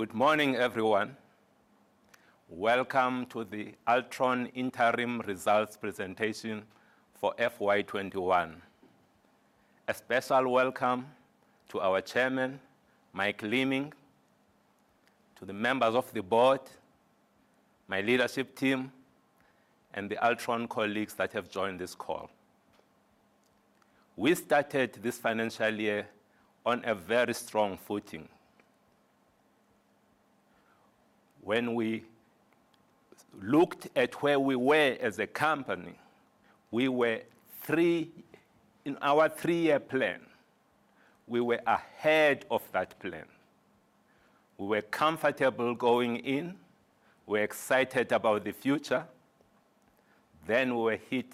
Good morning, everyone. Welcome to the Altron interim results presentation for FY 2021. A special welcome to our Chairman, Mike Leeming, to the members of the board, my leadership team, and the Altron colleagues that have joined this call. We started this financial year on a very strong footing. When we looked at where we were as a company, in our three-year plan, we were ahead of that plan. We were comfortable going in. We were excited about the future. We were hit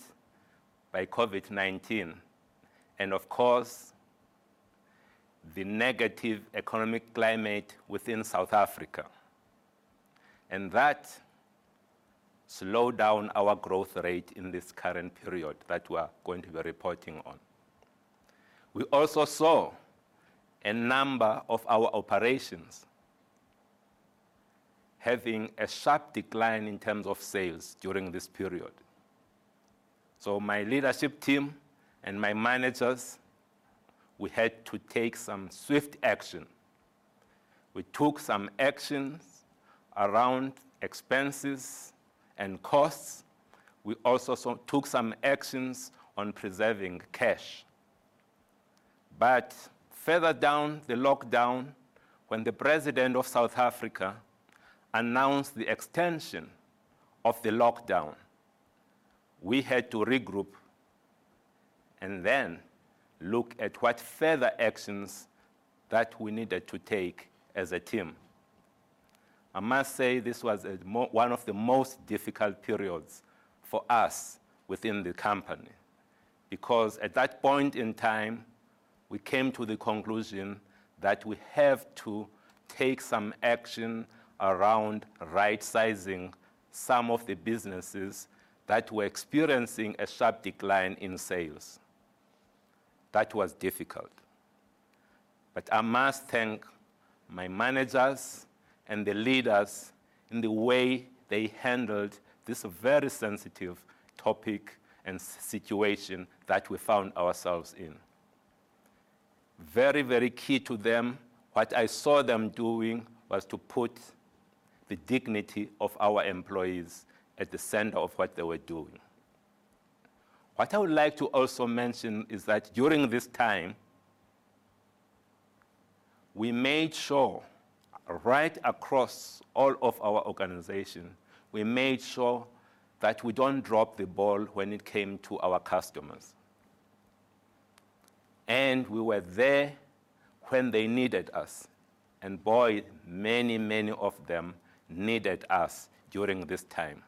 by COVID-19 and, of course, the negative economic climate within South Africa, and that slowed down our growth rate in this current period that we're going to be reporting on. We also saw a number of our operations having a sharp decline in terms of sales during this period. My leadership team and my managers, we had to take some swift action. We took some actions around expenses and costs. We also took some actions on preserving cash. Further down the lockdown, when the President of South Africa announced the extension of the lockdown, we had to regroup and then look at what further actions that we needed to take as a team. I must say, this was one of the most difficult periods for us within the company, because at that point in time, we came to the conclusion that we have to take some action around rightsizing some of the businesses that were experiencing a sharp decline in sales. That was difficult. I must thank my managers and the leaders in the way they handled this very sensitive topic and situation that we found ourselves in. Very key to them, what I saw them doing was to put the dignity of our employees at the center of what they were doing. What I would like to also mention is that during this time, we made sure, right across all of our organization, that we don't drop the ball when it came to our customers. We were there when they needed us, and boy, many of them needed us during this time.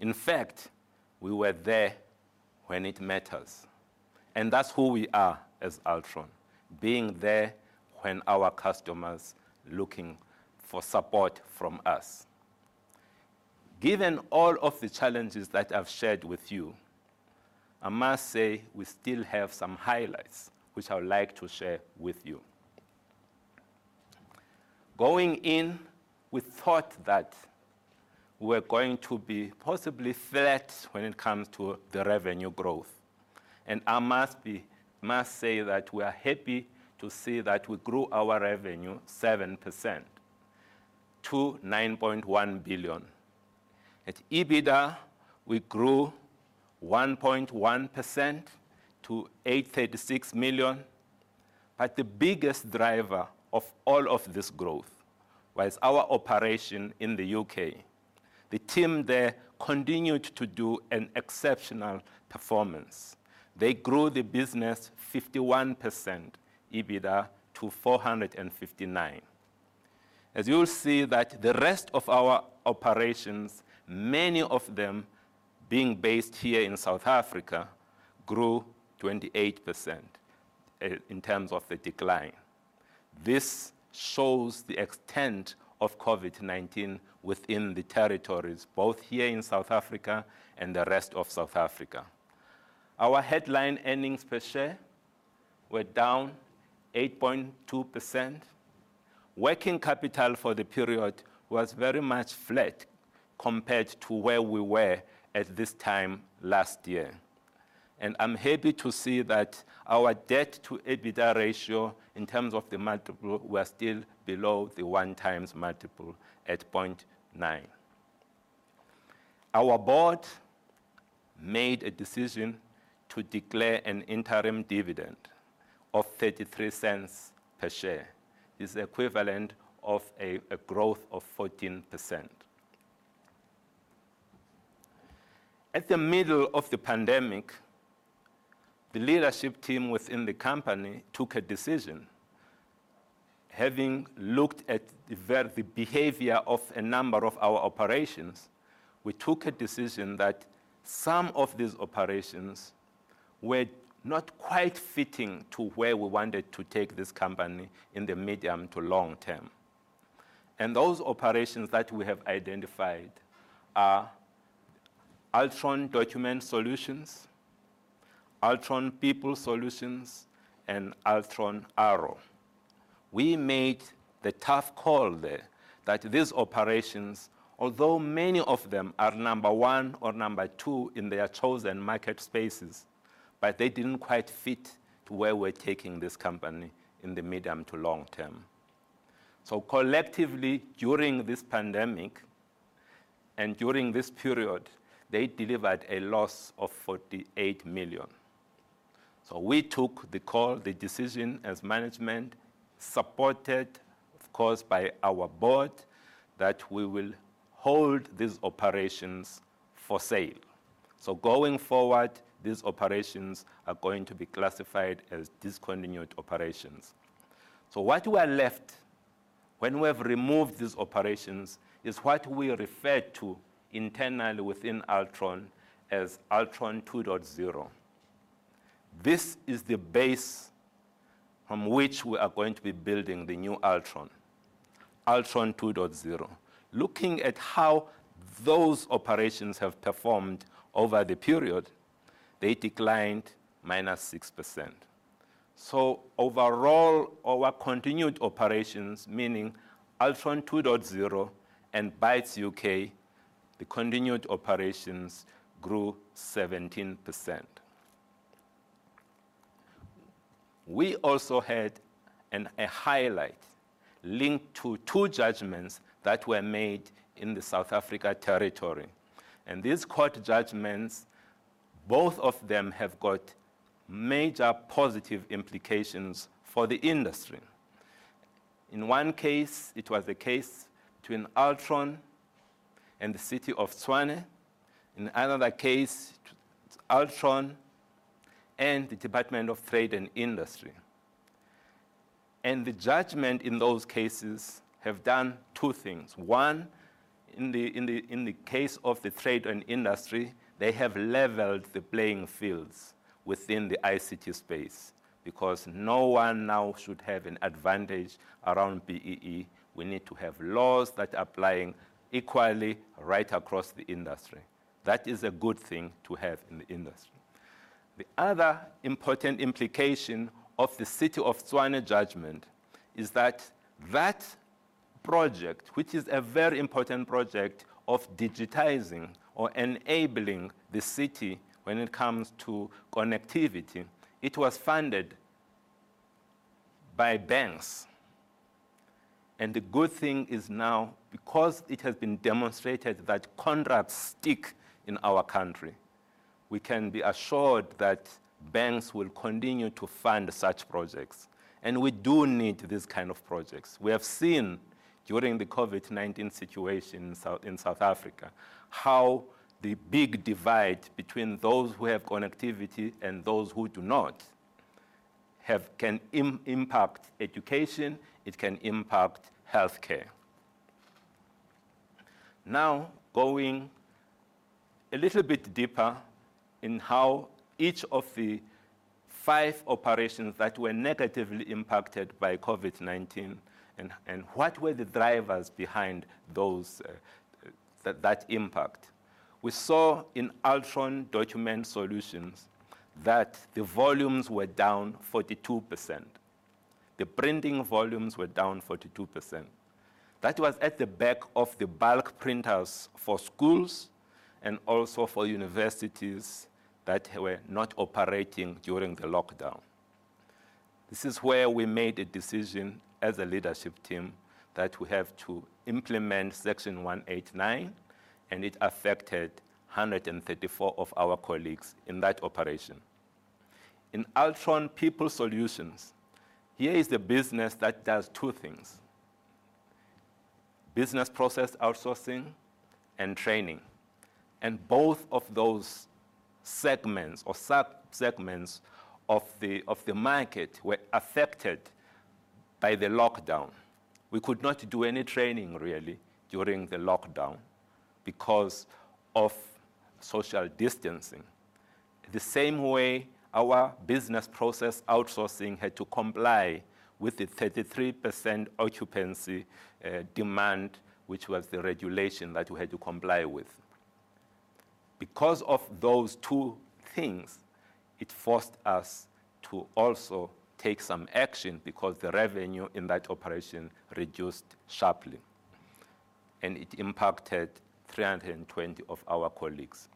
In fact, we were there when it matters. That's who we are as Altron, being there when our customers are looking for support from us. Given all of the challenges that I've shared with you, I must say, we still have some highlights, which I would like to share with you. Going in, we thought that we're going to be possibly flat when it comes to the revenue growth. I must say that we are happy to see that we grew our revenue 7% to 9.1 billion. EBITDA, we grew 1.1% to 836 million. The biggest driver of all of this growth was our operation in the U.K. The team there continued to do an exceptional performance. They grew the business 51% EBITDA to 459 million. As you'll see that the rest of our operations, many of them being based here in South Africa, grew 28% in terms of the decline. This shows the extent of COVID-19 within the territories, both here in South Africa and the rest of South Africa. Our headline earnings per share were down 8.2%. Working capital for the period was very much flat compared to where we were at this time last year. I'm happy to see that our debt to EBITDA ratio in terms of the multiple, we are still below the 1x multiple at 0.9. Our board made a decision to declare an interim dividend of 0.33 per share, is the equivalent of a growth of 14%. At the middle of the pandemic, the leadership team within the company took a decision. Having looked at the behavior of a number of our operations, we took a decision that some of these operations were not quite fitting to where we wanted to take this company in the medium to long term. Those operations that we have identified are Altron Document Solutions, Altron People Solutions, and Altron Arrow. We made the tough call there that these operations, although many of them are number one or number two in their chosen market spaces, but they didn't quite fit to where we're taking this company in the medium to long term. Collectively, during this pandemic and during this period, they delivered a loss of 48 million. We took the call, the decision as management, supported of course by our Board, that we will hold these operations for sale. Going forward, these operations are going to be classified as discontinued operations. What we are left when we have removed these operations is what we refer to internally within Altron as Altron 2.0. This is the base from which we are going to be building the new Altron 2.0. Looking at how those operations have performed over the period, they declined -6%. Overall, our continued operations, meaning Altron 2.0 and Bytes UK, the continued operations grew 17%. We also had a highlight linked to two judgments that were made in the South Africa territory. These court judgments, both of them have got major positive implications for the industry. In one case, it was a case between Altron and the City of Tshwane. In another case, Altron and the Department of Trade and Industry. The judgment in those cases have done two things. One, in the case of the Trade and Industry, they have leveled the playing fields within the ICT space because no one now should have an advantage around BEE. We need to have laws that applying equally right across the industry. That is a good thing to have in the industry. The other important implication of the City of Tshwane judgment is that that project, which is a very important project of digitizing or enabling the city when it comes to connectivity, it was funded by banks. The good thing is now, because it has been demonstrated that contracts stick in our country, we can be assured that banks will continue to fund such projects. We do need these kind of projects. We have seen during the COVID-19 situation in South Africa, how the big divide between those who have connectivity and those who do not can impact education, it can impact healthcare. Now, going a little bit deeper in how each of the five operations that were negatively impacted by COVID-19 and what were the drivers behind that impact. We saw in Altron Document Solutions that the volumes were down 42%. The printing volumes were down 42%. That was at the back of the bulk printers for schools and also for universities that were not operating during the lockdown. This is where we made a decision as a leadership team that we have to implement Section 189. It affected 134 of our colleagues in that operation. In Altron People Solutions, here is the business that does two things, business process outsourcing and training. Both of those segments or sub-segments of the market were affected by the lockdown. We could not do any training, really, during the lockdown because of social distancing. The same way our business process outsourcing had to comply with the 33% occupancy demand, which was the regulation that we had to comply with. Because of those two things, it forced us to also take some action because the revenue in that operation reduced sharply. It impacted 320 of our colleagues.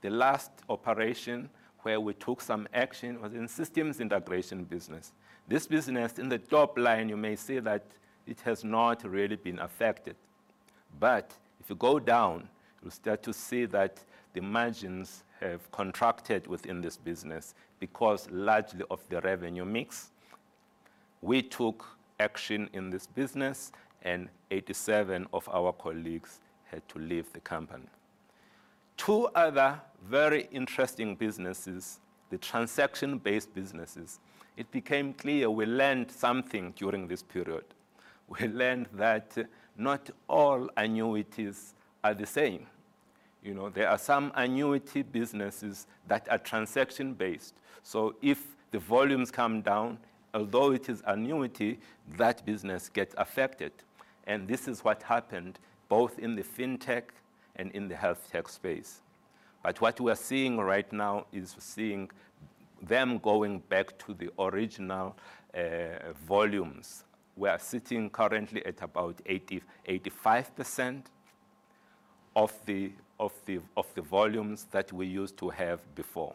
The last operation where we took some action was in Systems Integration business. This business in the top line, you may see that it has not really been affected. If you go down, you'll start to see that the margins have contracted within this business because largely of the revenue mix. We took action in this business, and 87 of our colleagues had to leave the company. Two other very interesting businesses, the transaction-based businesses. It became clear we learned something during this period. We learned that not all annuities are the same. There are some annuity businesses that are transaction based. If the volumes come down, although it is annuity, that business gets affected. This is what happened both in the FinTech and in the HealthTech space. What we are seeing right now is we're seeing them going back to the original volumes. We are sitting currently at about 85% of the volumes that we used to have before.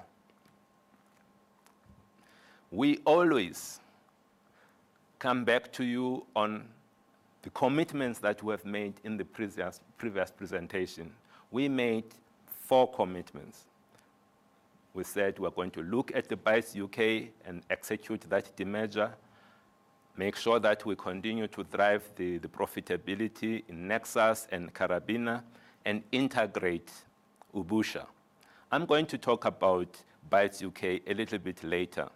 We always come back to you on the commitments that we have made in the previous presentation. We made four commitments. We said we are going to look at the Bytes UK and execute that demerger, make sure that we continue to drive the profitability in Nexus and Karabina, and integrate Ubusha. I'm going to talk about Bytes UK a little bit later.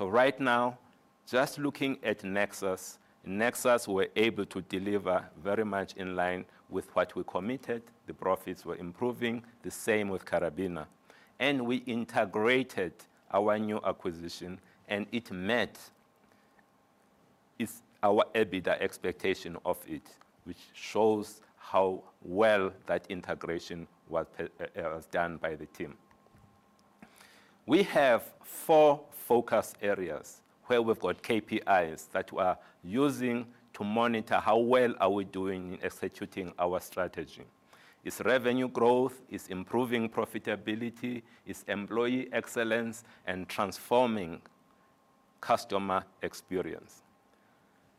Right now, just looking at Nexus. Nexus, we are able to deliver very much in line with what we committed. The profits were improving. The same with Karabina. We integrated our new acquisition, and it met our EBITDA expectation of it, which shows how well that integration was done by the team. We have four focus areas where we've got KPIs that we are using to monitor how well are we doing in executing our strategy. It's revenue growth, it's improving profitability, it's employee excellence, and transforming customer experience.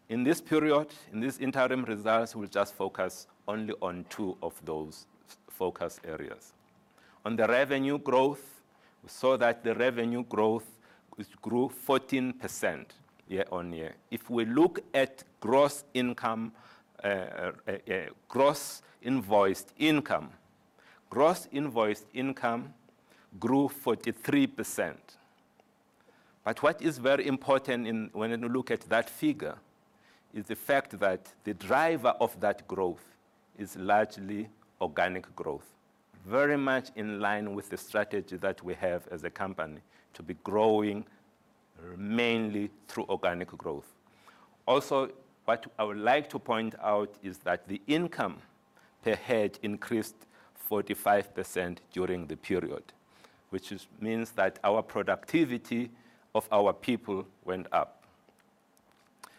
In this period, in this interim results, we will just focus only on two of those focus areas. On the revenue growth, we saw that the revenue growth grew 14% year-over-year. If we look at gross invoiced income, gross invoiced income grew 43%. What is very important when you look at that figure is the fact that the driver of that growth is largely organic growth. Very much in line with the strategy that we have as a company, to be growing mainly through organic growth. What I would like to point out is that the income per head increased 45% during the period, which means that our productivity of our people went up.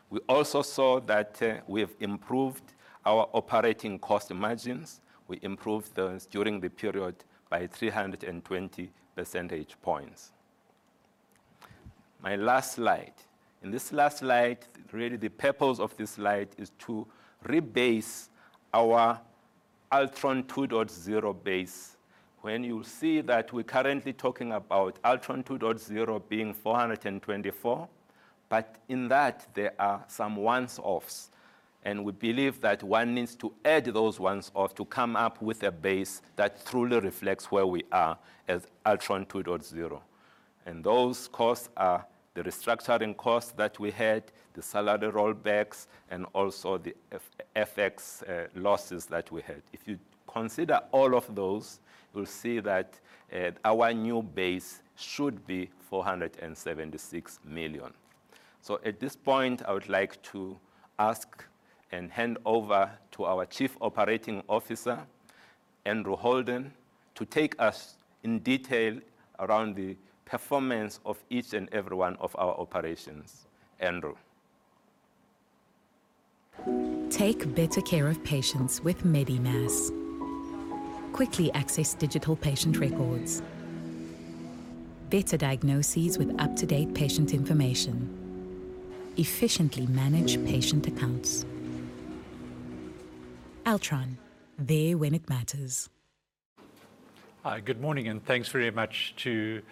We also saw that we have improved our operating cost margins. We improved those during the period by 320 percentage points. My last slide. In this last slide, really the purpose of this slide is to rebase our Altron 2.0 base. When you see that we're currently talking about Altron 2.0 being 424, but in that, there are some once-offs, and we believe that one needs to add those once-offs to come up with a base that truly reflects where we are as Altron 2.0. Those costs are the restructuring costs that we had, the salary rollbacks, and also the FX losses that we had. If you consider all of those, you'll see that our new base should be 476 million. At this point, I would like to ask and hand over to our Chief Operating Officer, Andrew Holden, to take us in detail around the performance of each and every one of our operations. Andrew. Take better care of patients with MedeMass. Quickly access digital patient records. Better diagnoses with up-to-date patient information. Efficiently manage patient accounts. Altron, there when it matters. Hi, good morning, and thanks very much to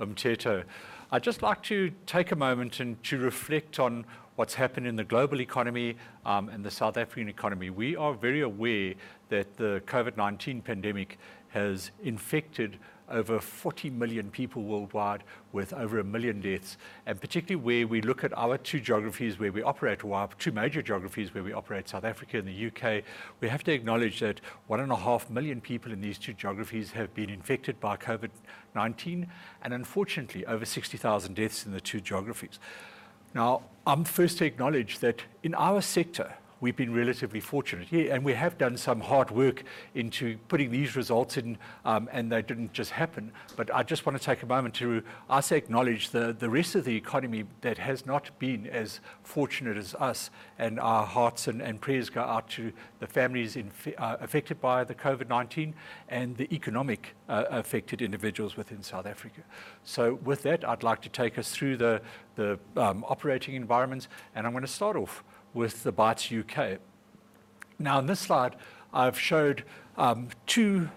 Mteto. I'd just like to take a moment and to reflect on what's happened in the global economy, and the South African economy. We are very aware that the COVID-19 pandemic has infected over 40 million people worldwide, with over 1 million deaths. Particularly where we look at our two geographies where we operate, well our two major geographies where we operate, South Africa and the U.K., we have to acknowledge that 1.5 million people in these two geographies have been infected by COVID-19, and unfortunately, over 60,000 deaths in the two geographies. Now, I'm first to acknowledge that in our sector, we've been relatively fortunate. We have done some hard work into putting these results in, and they didn't just happen. I just want to take a moment to also acknowledge the rest of the economy that has not been as fortunate as us, and our hearts and prayers go out to the families affected by the COVID-19 and the economic affected individuals within South Africa. With that, I'd like to take us through the operating environments, and I'm going to start off with the Bytes UK. Now in this slide, I've showed two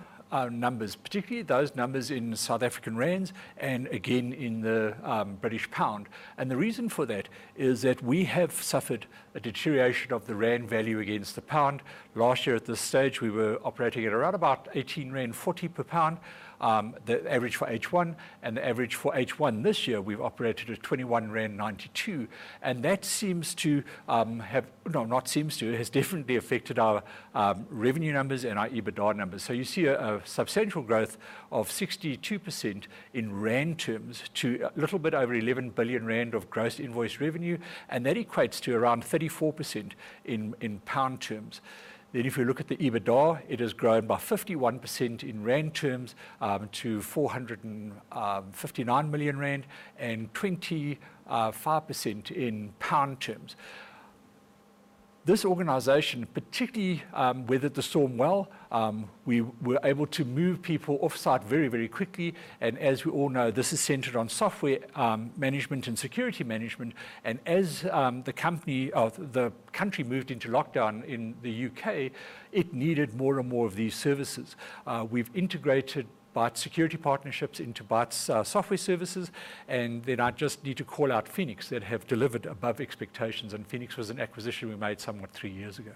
numbers, particularly those numbers in ZAR and again in the GBP. The reason for that is that we have suffered a deterioration of the ZAR value against the GBP. Last year at this stage, we were operating at around about 18.40 rand per GBP, the average for H1. The average for H1 this year, we've operated at 21.92 rand. That has definitely affected our revenue numbers and our EBITDA numbers. You see a substantial growth of 62% in ZAR terms to a little bit over 11 billion rand of gross invoice revenue, and that equates to around 34% in GBP terms. If we look at the EBITDA, it has grown by 51% in ZAR terms to 459 million rand, and 25% in GBP terms. This organization particularly weathered the storm well. We were able to move people offsite very quickly. As we all know, this is centered on software management and security management. As the country moved into lockdown in the U.K., it needed more and more of these services. We've integrated Bytes Security Partnerships into Bytes Software Services. I just need to call out Phoenix, that have delivered above expectations. Phoenix was an acquisition we made somewhat three years ago.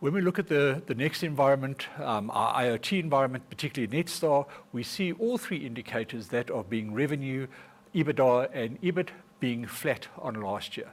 When we look at the next environment, our IoT environment, particularly Netstar, we see all three indicators that are being revenue, EBITDA, and EBIT being flat on last year.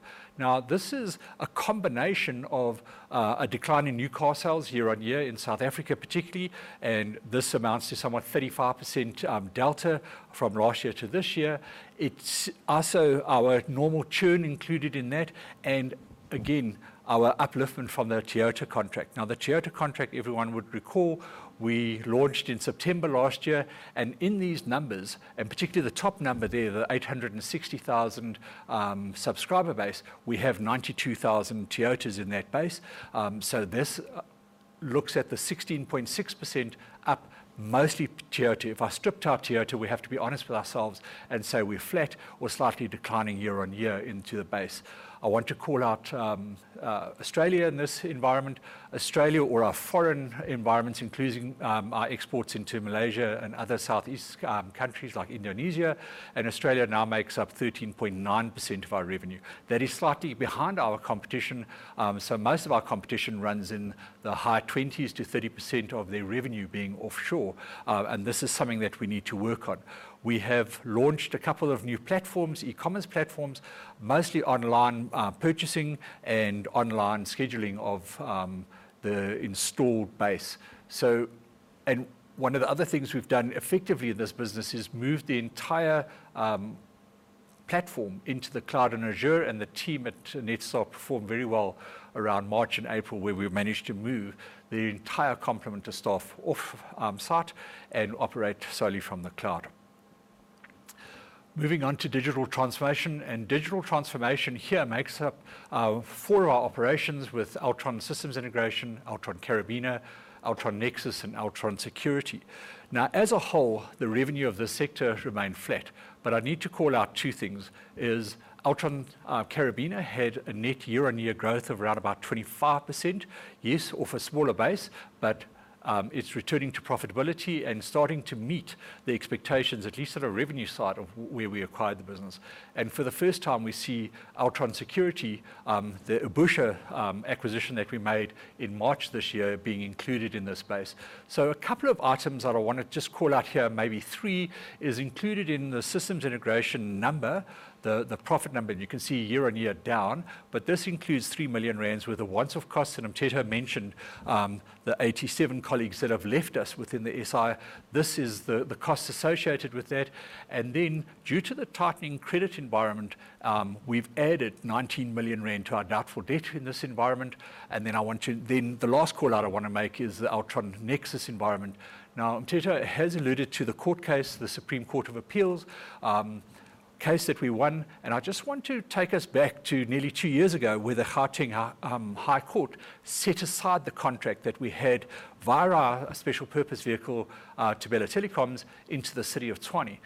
This is a combination of a decline in new car sales year-on-year in South Africa particularly, and this amounts to somewhat 35% delta from last year to this year. It's also our normal churn included in that, and again, our upliftment from the Toyota contract. The Toyota contract, everyone would recall, we launched in September last year, and in these numbers, and particularly the top number there, the 860,000 subscriber base, we have 92,000 Toyotas in that base. This looks at the 16.6% up mostly Toyota. If I stripped out Toyota, we have to be honest with ourselves and say we're flat or slightly declining year-on-year into the base. I want to call out Australia in this environment. Australia or our foreign environments, including our exports into Malaysia and other Southeast countries like Indonesia and Australia, now makes up 13.9% of our revenue. That is slightly behind our competition. Most of our competition runs in the high 20%-30% of their revenue being offshore. This is something that we need to work on. We have launched a couple of new platforms, e-commerce platforms, mostly online purchasing and online scheduling of the installed base. One of the other things we've done effectively in this business is move the entire platform into the cloud on Azure, and the team at Netstar performed very well around March and April, where we managed to move the entire complement of staff off site and operate solely from the cloud. Moving on to digital transformation. Digital transformation here makes up four of our operations with Altron Systems Integration, Altron Karabina, Altron Nexus, and Altron Security. Now as a whole, the revenue of this sector remained flat. I need to call out two things, is Altron Karabina had a net year-on-year growth of around about 25%. Yes, off a smaller base, but it's returning to profitability and starting to meet the expectations, at least on a revenue side of where we acquired the business. For the first time, we see Altron Security, the Ubusha Technologies acquisition that we made in March this year, being included in this base. A couple of items that I want to just call out here, maybe three, is included in the systems integration number, the profit number. You can see year-on-year down, but this includes 3 million rand worth of once-off costs. Mteto mentioned the 87 colleagues that have left us within the SI. This is the cost associated with that. Due to the tightening credit environment, we've added 19 million rand to our doubtful debt in this environment. The last call out I want to make is the Altron Nexus environment. Mteto has alluded to the court case, the Supreme Court of Appeal case that we won. I just want to take us back to nearly two years ago, where the Gauteng High Court set aside the contract that we had via our special purpose vehicle, Thobela Telecoms, into the City of Tshwane.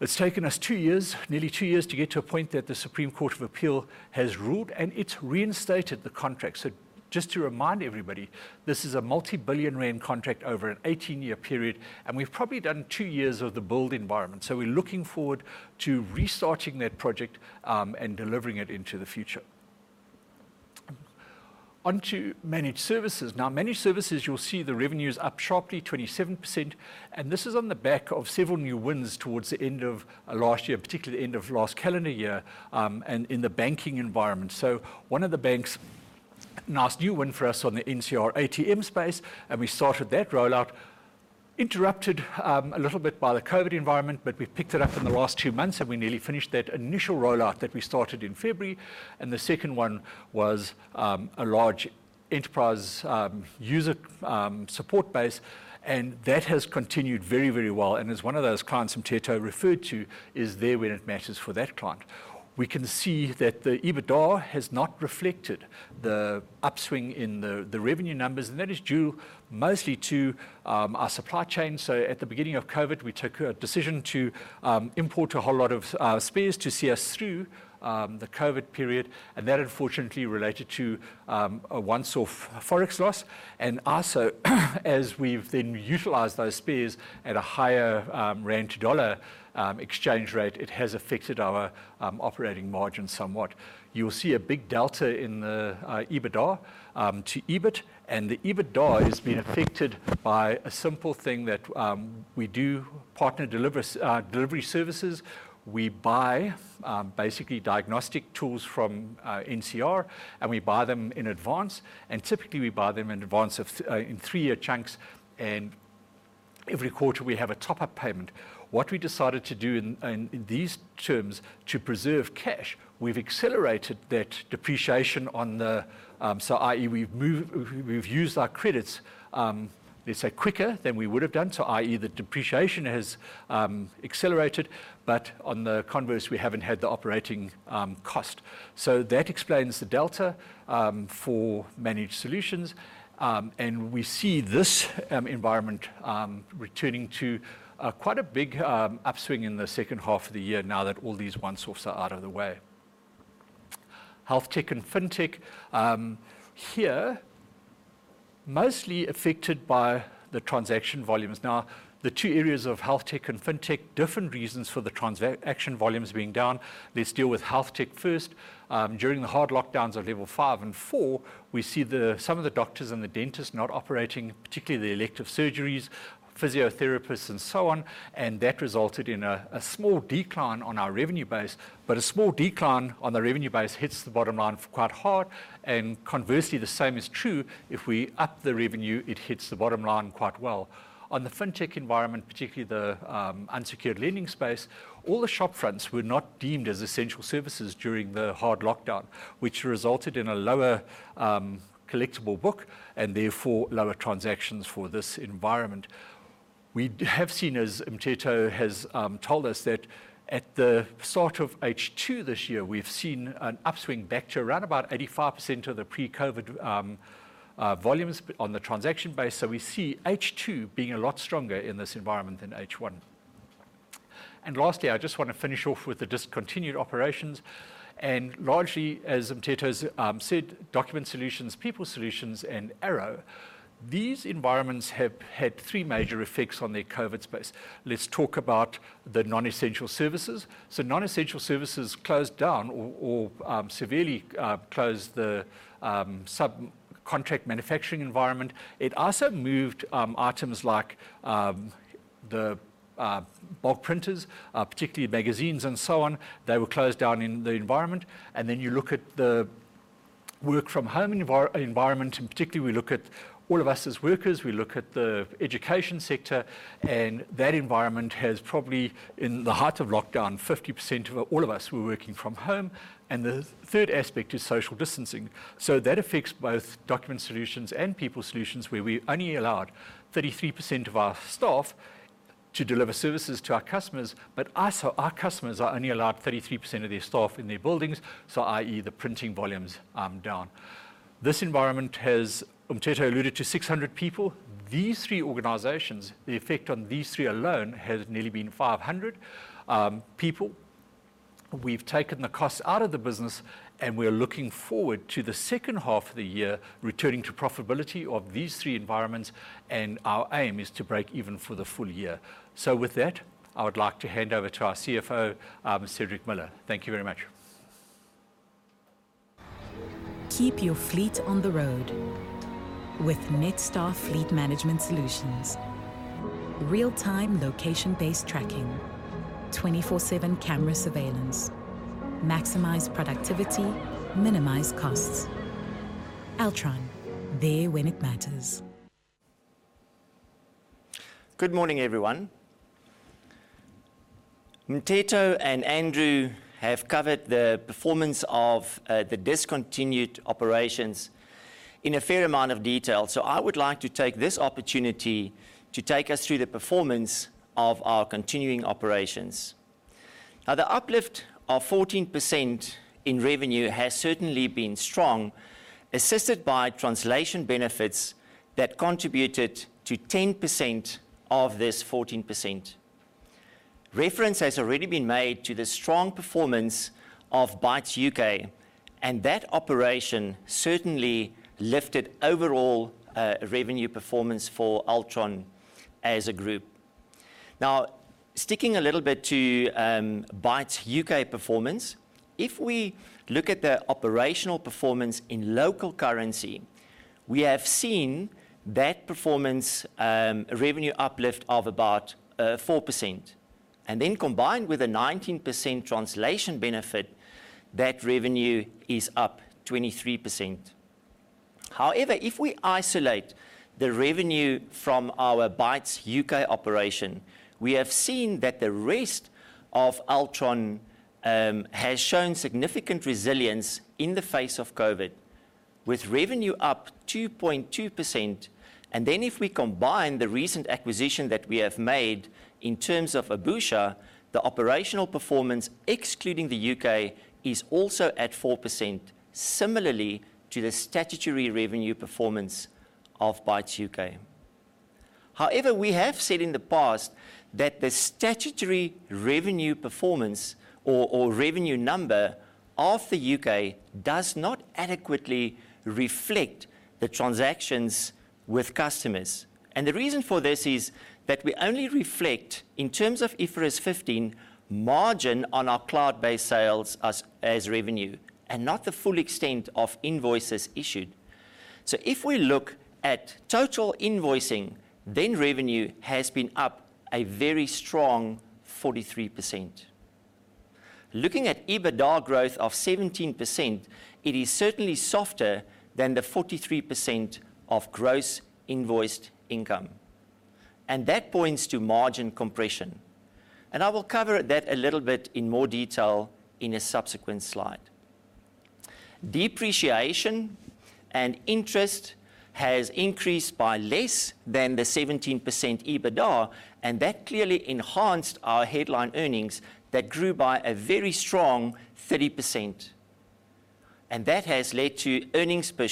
It's taken us two years, nearly two years, to get to a point that the Supreme Court of Appeal has ruled, and it's reinstated the contract. Just to remind everybody, this is a multi-billion ZAR contract over an 18-year period, and we've probably done two years of the build environment. We're looking forward to restarting that project, and delivering it into the future. On to managed services. Managed services, you'll see the revenue's up sharply 27%, and this is on the back of several new wins towards the end of last year, particularly the end of last calendar year, and in the banking environment. One of the banks announced a new win for us on the NCR ATM space, and we started that rollout, interrupted a little bit by the COVID environment, but we've picked it up in the last two months, and we nearly finished that initial rollout that we started in February. The second one was a large enterprise user support base, and that has continued very well. As one of those clients Mteto referred to, is there when it matters for that client. We can see that the EBITDA has not reflected the upswing in the revenue numbers, and that is due mostly to our supply chain. At the beginning of COVID, we took a decision to import a whole lot of spares to see us through the COVID period. That unfortunately related to a once-off Forex loss. As we've then utilized those spares at a higher rand to dollar exchange rate, it has affected our operating margin somewhat. You'll see a big delta in the EBITDA to EBIT. The EBITDA has been affected by a simple thing that we do partner delivery services. We buy basically diagnostic tools from NCR Corporation. We buy them in advance. Typically we buy them in advance of in three-year chunks. Every quarter, we have a top-up payment. What we decided to do in these terms to preserve cash, we've accelerated that depreciation on the, i.e., we've used our credits, let's say quicker than we would've done. I.e., the depreciation has accelerated. On the converse, we haven't had the operating cost. That explains the delta for managed solutions. We see this environment returning to quite a big upswing in the second half of the year now that all these one-offs are out of the way. HealthTech and FinTech. Here, mostly affected by the transaction volumes. The two areas of HealthTech and FinTech, different reasons for the transaction volumes being down. Let's deal with HealthTech first. During the hard lockdowns of level 5 and 4, we see some of the doctors and the dentists not operating, particularly the elective surgeries, physiotherapists, and so on, and that resulted in a small decline on our revenue base. A small decline on the revenue base hits the bottom line quite hard, and conversely, the same is true if we up the revenue, it hits the bottom line quite well. On the FinTech environment, particularly the unsecured lending space, all the shop fronts were not deemed as essential services during the hard lockdown, which resulted in a lower collectible book, and therefore, lower transactions for this environment. We have seen, as Mteto has told us, that at the start of H2 this year, we've seen an upswing back to around about 85% of the pre-COVID volumes on the transaction base. We see H2 being a lot stronger in this environment than H1. Lastly, I just want to finish off with the discontinued operations, and largely, as Mteto's said, Document Solutions, People Solutions, and Arrow. These environments have had three major effects on their COVID space. Let's talk about the non-essential services. Non-essential services closed down or severely closed the sub-contract manufacturing environment. It also moved items like the bulk printers, particularly magazines and so on. They were closed down in the environment. You look at the work-from-home environment, and particularly we look at all of us as workers, we look at the education sector, and that environment has probably, in the height of lockdown, 50% of all of us were working from home. The third aspect is social distancing. That affects both Document Solutions and People's Solutions, where we only allowed 33% of our staff to deliver services to our customers. Our customers are only allowed 33% of their staff in their buildings, so i.e., the printing volumes are down. This environment has, Mteto alluded to 600 people. These three organizations, the effect on these three alone has nearly been 500 people. We've taken the cost out of the business, and we're looking forward to the second half of the year returning to profitability of these three environments, and our aim is to break even for the full year. With that, I would like to hand over to our CFO, Cedric Miller. Thank you very much. Keep your fleet on the road with Netstar fleet management solutions. Real-time location-based tracking. 24/7 camera surveillance. Maximize productivity, minimize costs. Altron, there when it matters. Good morning, everyone. Mteto and Andrew have covered the performance of the discontinued operations in a fair amount of detail. I would like to take this opportunity to take us through the performance of our continuing operations. The uplift of 14% in revenue has certainly been strong, assisted by translation benefits that contributed to 10% of this 14%. Reference has already been made to the strong performance of Bytes UK, and that operation certainly lifted overall revenue performance for Altron as a group. Sticking a little bit to Bytes UK performance, if we look at the operational performance in local currency, we have seen that performance revenue uplift of about 4%. Combined with a 19% translation benefit, that revenue is up 23%. If we isolate the revenue from our Bytes UK operation, we have seen that the rest of Altron has shown significant resilience in the face of COVID, with revenue up 2.2%. If we combine the recent acquisition that we have made in terms of Ubusha, the operational performance, excluding the U.K., is also at 4%, similarly to the statutory revenue performance of Bytes UK. We have said in the past that the statutory revenue performance or revenue number of the U.K. does not adequately reflect the transactions with customers. The reason for this is that we only reflect, in terms of IFRS 15, margin on our cloud-based sales as revenue, and not the full extent of invoices issued. If we look at total invoicing, then revenue has been up a very strong 43%. Looking at EBITDA growth of 17%, it is certainly softer than the 43% of gross invoiced income, and that points to margin compression. I will cover that a little bit in more detail in a subsequent slide. Depreciation and interest has increased by less than the 17% EBITDA, and that clearly enhanced our headline earnings that grew by a very strong 30%. That has led to headline earnings per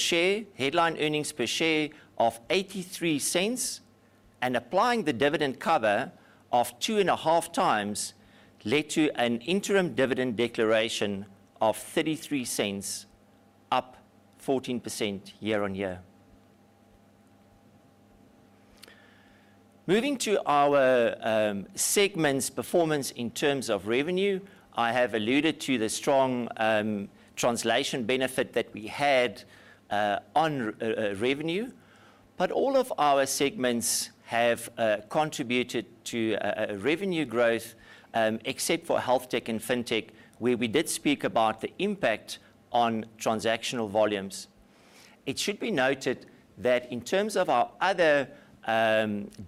share of 0.83. Applying the dividend cover of 2.5x led to an interim dividend declaration of 0.33, up 14% year-on-year. Moving to our segments performance in terms of revenue. I have alluded to the strong translation benefit that we had on revenue. All of our segments have contributed to revenue growth, except for Altron HealthTech and Altron FinTech, where we did speak about the impact on transactional volumes. It should be noted that in terms of our other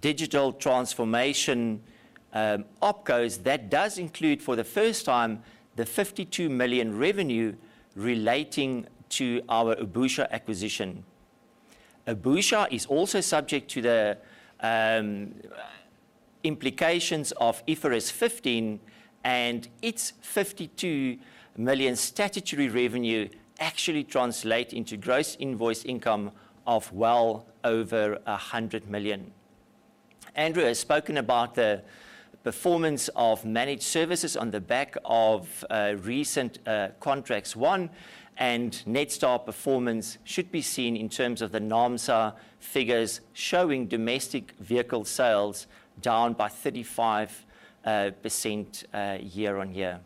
digital transformation opcos, that does include, for the first time, the 52 million revenue relating to our Ubusha acquisition. Ubusha is also subject to the implications of IFRS 15, and its 52 million statutory revenue actually translate into gross invoice income of well over 100 million. Andrew has spoken about the performance of managed services on the back of recent contracts won, and Netstar performance should be seen in terms of the NAAMSA figures showing domestic vehicle sales down by 35% year-on-year.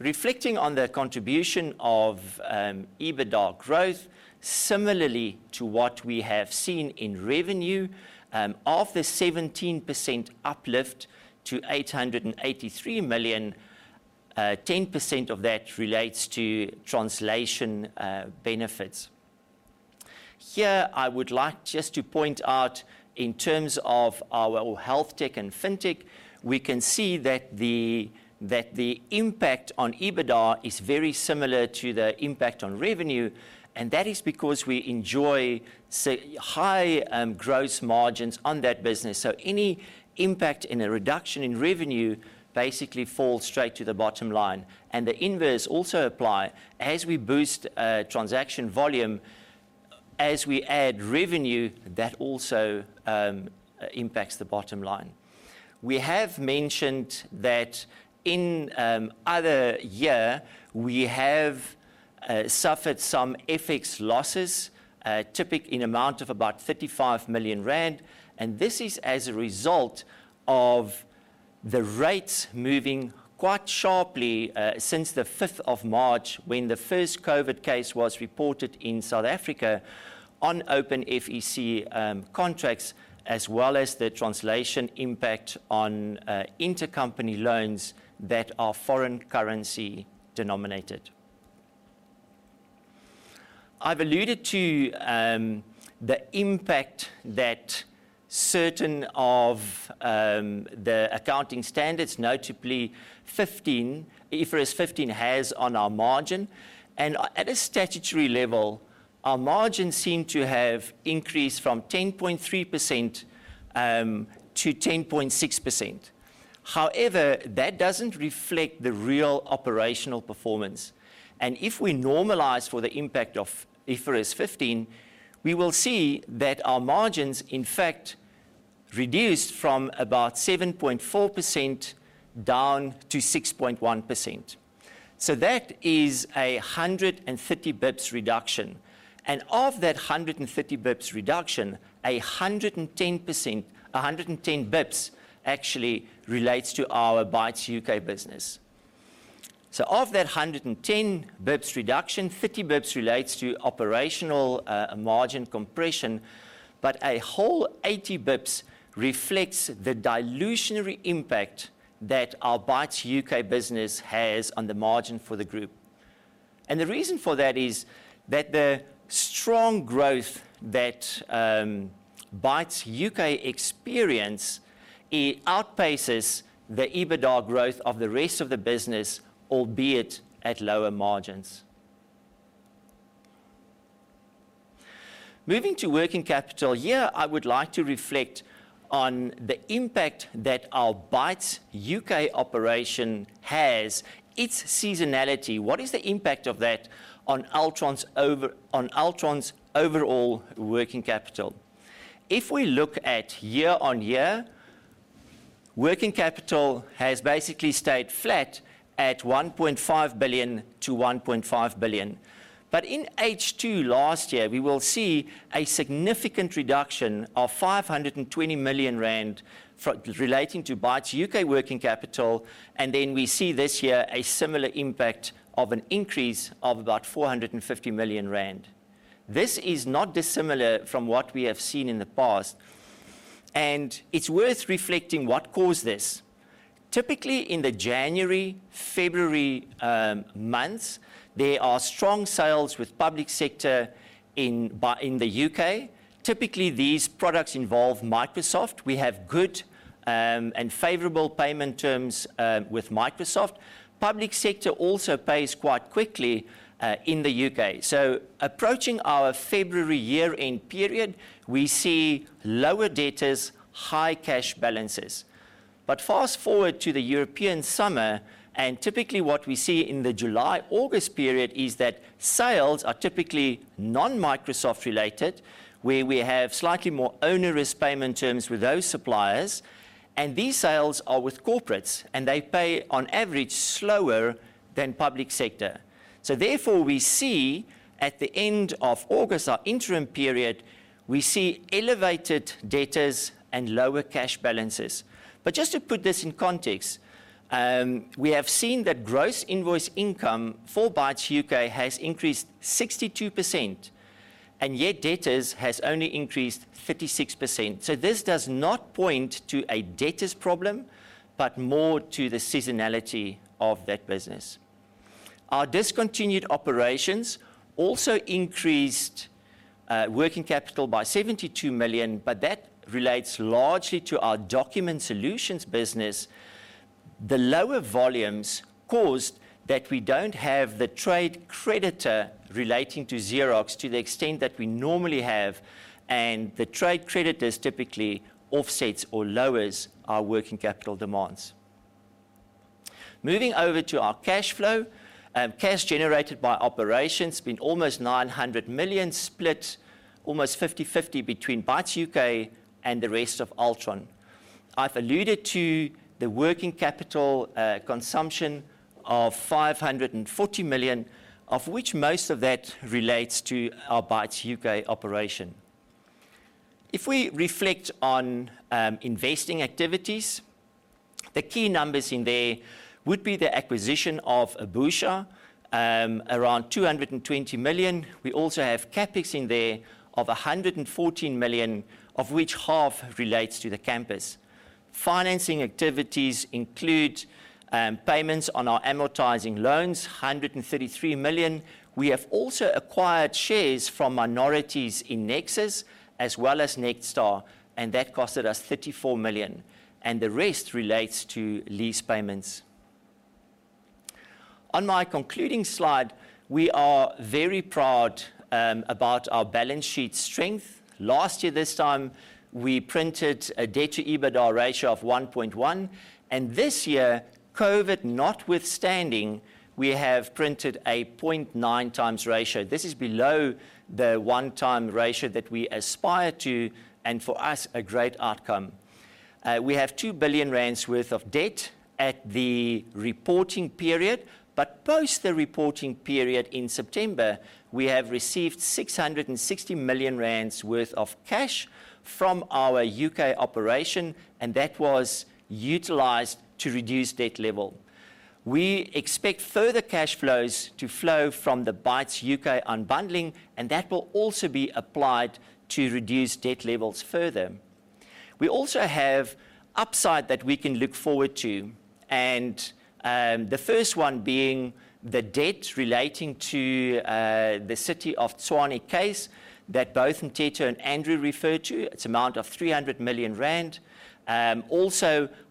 Reflecting on the contribution of EBITDA growth, similarly to what we have seen in revenue, of the 17% uplift to 883 million, 10% of that relates to translation benefits. Here, I would like just to point out in terms of our HealthTech and FinTech, we can see that the impact on EBITDA is very similar to the impact on revenue. That is because we enjoy high gross margins on that business. Any impact in a reduction in revenue basically falls straight to the bottom line. The inverse also apply as we boost transaction volume. As we add revenue, that also impacts the bottom line. We have mentioned that in other year, we have suffered some FX losses, typically in amount of about 35 million rand. This is as a result of the rates moving quite sharply since the 5th of March when the first COVID case was reported in South Africa on open FEC contracts as well as the translation impact on intercompany loans that are foreign currency denominated. I've alluded to the impact that certain of the accounting standards, notably IFRS 15, has on our margin. At a statutory level, our margins seem to have increased from 10.3% to 10.6%. However, that doesn't reflect the real operational performance. If we normalize for the impact of IFRS 15, we will see that our margins, in fact, reduced from about 7.4% down to 6.1%. That is 150 basis points reduction. Of that 150 basis points reduction, 110 basis points actually relates to our Bytes UK business. Of that 110 basis points reduction, 50 basis points relates to operational margin compression, but a whole 80 basis points reflects the dilutionary impact that our Bytes UK business has on the margin for the group. The reason for that is that the strong growth that Bytes UK experience, it outpaces the EBITDA growth of the rest of the business, albeit at lower margins. Moving to working capital. Here, I would like to reflect on the impact that our Bytes UK operation has, its seasonality. What is the impact of that on Altron's overall working capital? If we look at year-on-year, working capital has basically stayed flat at 1.5 billion to 1.5 billion. In H2 last year, we will see a significant reduction of 520 million rand relating to Bytes UK working capital. We see this year a similar impact of an increase of about 450 million rand. This is not dissimilar from what we have seen in the past, and it's worth reflecting what caused this. Typically, in the January, February months, there are strong sales with public sector in the U.K. Typically, these products involve Microsoft. We have good and favorable payment terms with Microsoft. Public sector also pays quite quickly in the U.K. Approaching our February year-end period, we see lower debtors, high cash balances. Fast-forward to the European summer, and typically what we see in the July, August period is that sales are typically non-Microsoft related, where we have slightly more onerous payment terms with those suppliers, and these sales are with corporates, and they pay on average slower than public sector. Therefore, we see at the end of August, our interim period, we see elevated debtors and lower cash balances. Just to put this in context, we have seen that gross invoice income for Bytes UK has increased 62%, and yet debtors has only increased 36%. This does not point to a debtors problem, but more to the seasonality of that business. Our discontinued operations also increased working capital by 72 million, but that relates largely to our Document Solutions business. The lower volumes caused that we don't have the trade creditor relating to Xerox to the extent that we normally have. The trade creditors typically offsets or lowers our working capital demands. Moving over to our cash flow. Cash generated by operations has been almost 900 million, split almost 50/50 between Bytes UK and the rest of Altron. I've alluded to the working capital consumption of 540 million, of which most of that relates to our Bytes UK operation. If we reflect on investing activities, the key numbers in there would be the acquisition of Ubusha, around 220 million. We also have CapEx in there of 114 million, of which half relates to the campus. Financing activities include payments on our amortizing loans, 133 million. We have also acquired shares from minorities in Nexus as well as Netstar, and that costed us 34 million, and the rest relates to lease payments. On my concluding slide, we are very proud about our balance sheet strength. Last year this time, we printed a debt to EBITDA ratio of 1.1. This year, COVID notwithstanding, we have printed a 0.9x ratio. This is below the one-time ratio that we aspire to. For us, a great outcome. We have 2 billion rand worth of debt at the reporting period. Post the reporting period in September, we have received 660 million rand worth of cash from our U.K. operation. That was utilized to reduce debt level. We expect further cash flows to flow from the Bytes UK unbundling. That will also be applied to reduce debt levels further. We also have upside that we can look forward to, and the first one being the debt relating to the City of Tshwane case that both Mteto and Andrew referred to. Its amount of 300 million rand.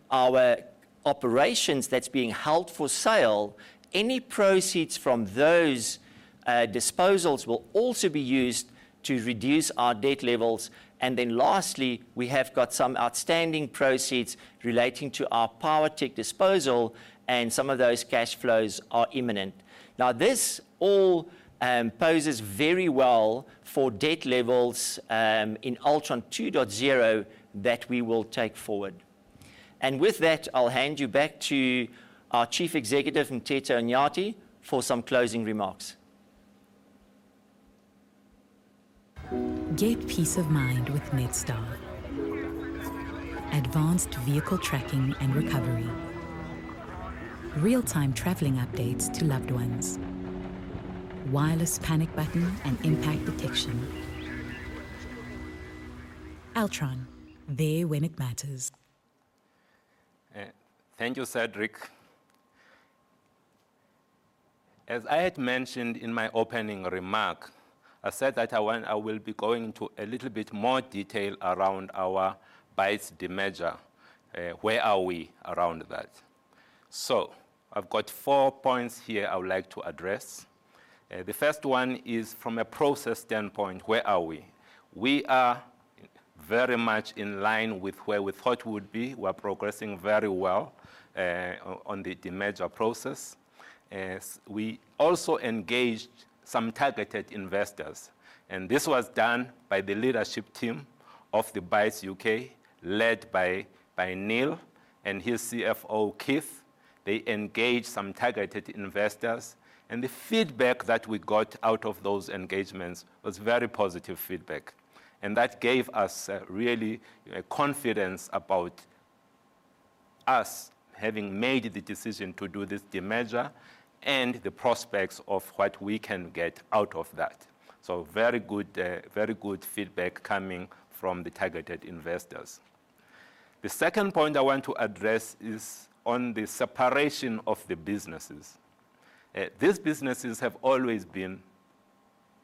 Our operations that's being held for sale, any proceeds from those disposals will also be used to reduce our debt levels. Lastly, we have got some outstanding proceeds relating to our Powertech disposal, and some of those cash flows are imminent. This all poses very well for debt levels in Altron 2.0 that we will take forward. With that, I'll hand you back to our Chief Executive, Mteto Nyati, for some closing remarks. Get peace of mind with Netstar. Advanced vehicle tracking and recovery. Real-time traveling updates to loved ones. Wireless panic button and impact detection. Altron, there when it matters. Thank you, Cedric. As I had mentioned in my opening remark, I said that I will be going into a little bit more detail around our Bytes demerger. Where are we around that? I've got four points here I would like to address. The first one is from a process standpoint, where are we? We are very much in line with where we thought we would be. We're progressing very well on the demerger process. We also engaged some targeted investors, and this was done by the leadership team of the Bytes UK, led by Neil and his CFO, Keith. The feedback that we got out of those engagements was very positive feedback, and that gave us really confidence about us having made the decision to do this demerger and the prospects of what we can get out of that. Very good feedback coming from the targeted investors. The second point I want to address is on the separation of the businesses. These businesses have always been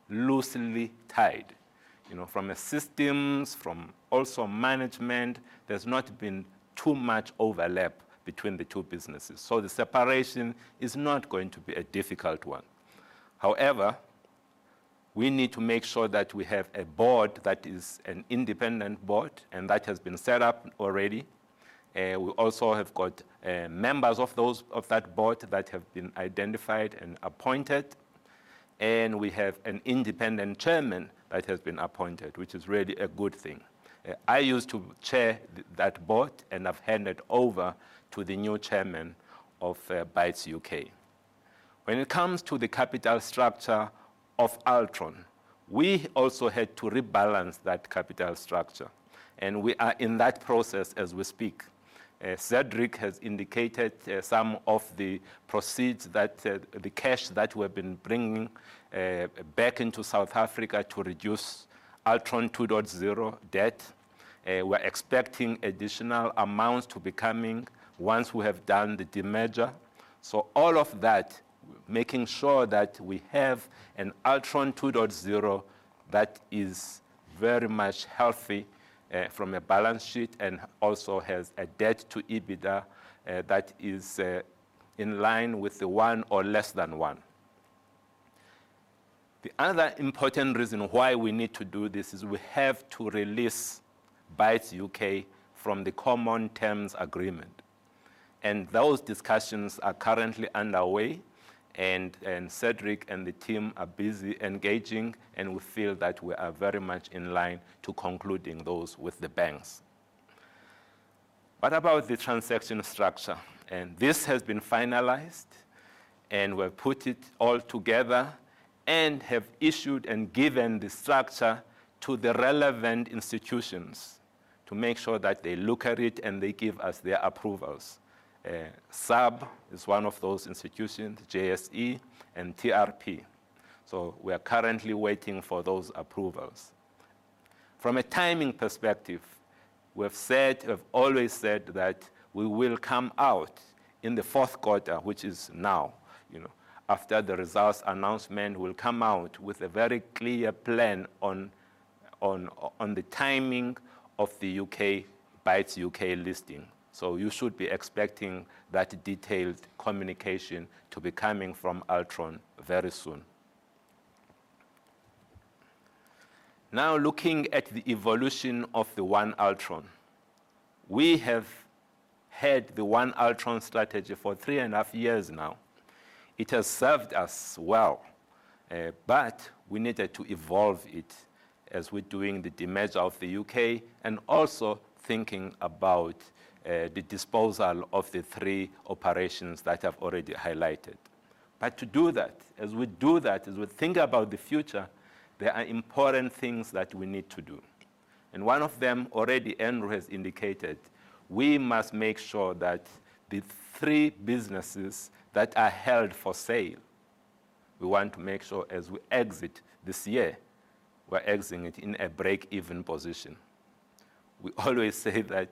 loosely tied. From systems, from also management, there's not been too much overlap between the two businesses. The separation is not going to be a difficult one. However, we need to make sure that we have a board that is an independent board, and that has been set up already. We also have got members of that board that have been identified and appointed, and we have an independent chairman that has been appointed, which is really a good thing. I used to chair that board, and I've handed over to the new chairman of Bytes UK. When it comes to the capital structure of Altron, we also had to rebalance that capital structure. We are in that process as we speak. Cedric has indicated some of the cash that we have been bringing back into South Africa to reduce Altron 2.0 debt. We're expecting additional amounts to be coming once we have done the demerger. All of that, making sure that we have an Altron 2.0 that is very much healthy from a balance sheet and also has a debt to EBITDA that is in line with one or less than one. The other important reason why we need to do this is we have to release Bytes UK from the common terms agreement. Those discussions are currently underway, and Cedric and the team are busy engaging, and we feel that we are very much in line to concluding those with the banks. What about the transaction structure? This has been finalized, and we've put it all together and have issued and given the structure to the relevant institutions to make sure that they look at it and they give us their approvals. SARB is one of those institutions, JSE and TRP. We are currently waiting for those approvals. From a timing perspective, we've always said that we will come out in the fourth quarter, which is now. After the results announcement, we'll come out with a very clear plan on the timing of the Bytes UK listing. You should be expecting that detailed communication to be coming from Altron very soon. Looking at the evolution of the One Altron. We have had the One Altron strategy for 3.5 years now. It has served us well, but we needed to evolve it as we're doing the demerger of the U.K. and also thinking about the disposal of the three operations that I've already highlighted. To do that, as we do that, as we think about the future, there are important things that we need to do. One of them, already Andrew has indicated, we must make sure that the three businesses that are held for sale, we want to make sure as we exit this year, we're exiting it in a break-even position. We always say that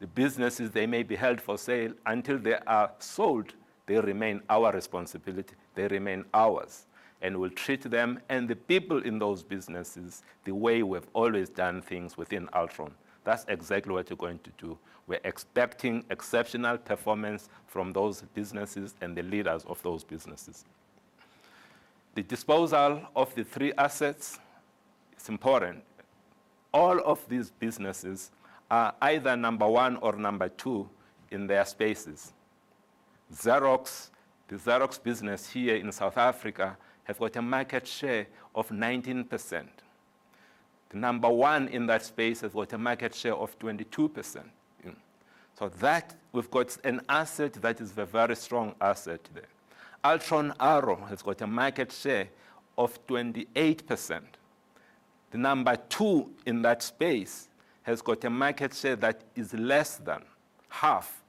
the businesses, they may be held for sale. Until they are sold, they remain our responsibility. They remain ours. We'll treat them and the people in those businesses the way we've always done things within Altron. That's exactly what we're going to do. We're expecting exceptional performance from those businesses and the leaders of those businesses. The disposal of the three assets is important. All of these businesses are either number one or number two in their spaces. The Xerox business here in South Africa have got a market share of 19%. The number one in that space has got a market share of 22%. That, we've got an asset that is a very strong asset there. Altron Arrow has got a market share of 28%. The number two in that space has got a market share that is less than half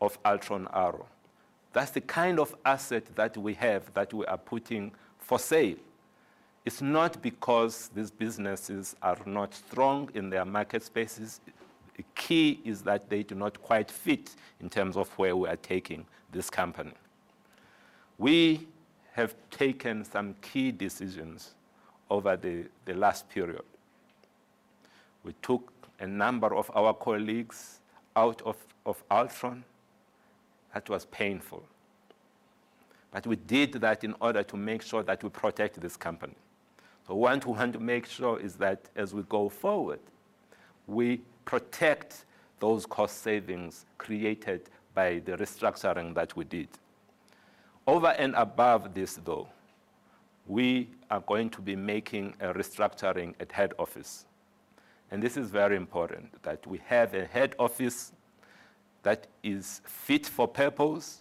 of Altron Arrow. That's the kind of asset that we have that we are putting for sale. It's not because these businesses are not strong in their market spaces. The key is that they do not quite fit in terms of where we are taking this company. We have taken some key decisions over the last period. We took a number of our colleagues out of Altron. That was painful. We did that in order to make sure that we protect this company. We want to make sure is that as we go forward, we protect those cost savings created by the restructuring that we did. Over and above this, though, we are going to be making a restructuring at head office. This is very important, that we have a head office that is fit for purpose.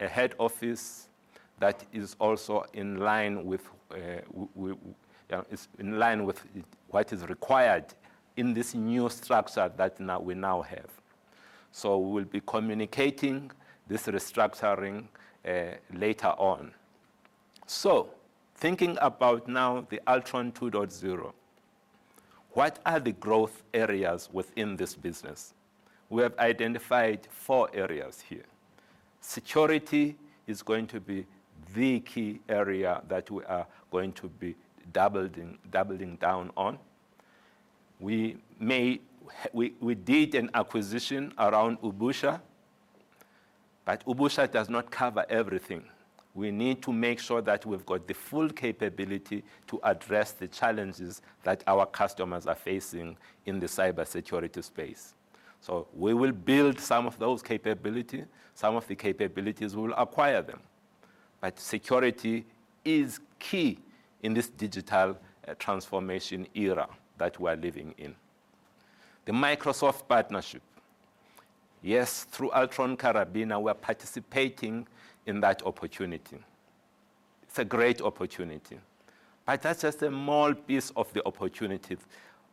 A head office that is also in line with what is required in this new structure that we now have. We'll be communicating this restructuring later on. Thinking about now the Altron 2.0, what are the growth areas within this business? We have identified four areas here. Security is going to be the key area that we are going to be doubling down on. We did an acquisition around Ubusha, but Ubusha does not cover everything. We need to make sure that we've got the full capability to address the challenges that our customers are facing in the cybersecurity space. We will build some of those capabilities, some of the capabilities, we will acquire them. Security is key in this digital transformation era that we are living in. The Microsoft partnership. Yes, through Altron Karabina, we're participating in that opportunity. It's a great opportunity. That's just a small piece of the opportunity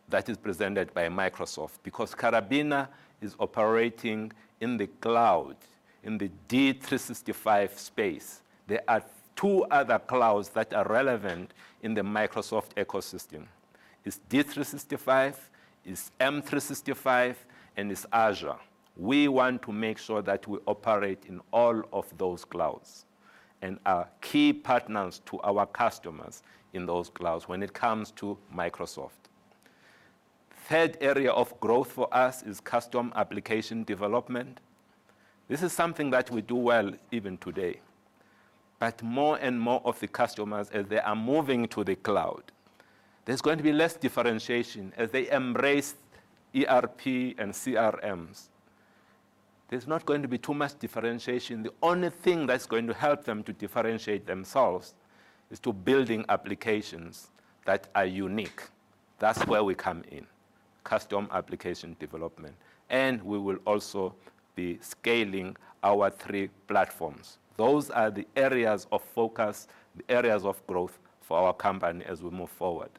that is presented by Microsoft, because Karabina is operating in the cloud, in the D365 space. There are two other clouds that are relevant in the Microsoft ecosystem. It's D365, it's M365, and it's Azure. We want to make sure that we operate in all of those clouds and are key partners to our customers in those clouds when it comes to Microsoft. Third area of growth for us is custom application development. This is something that we do well even today. More and more of the customers, as they are moving to the cloud, there's going to be less differentiation as they embrace ERP and CRMs. There's not going to be too much differentiation. The only thing that's going to help them to differentiate themselves is to building applications that are unique. That's where we come in, custom application development. We will also be scaling our three platforms. Those are the areas of focus, the areas of growth for our company as we move forward.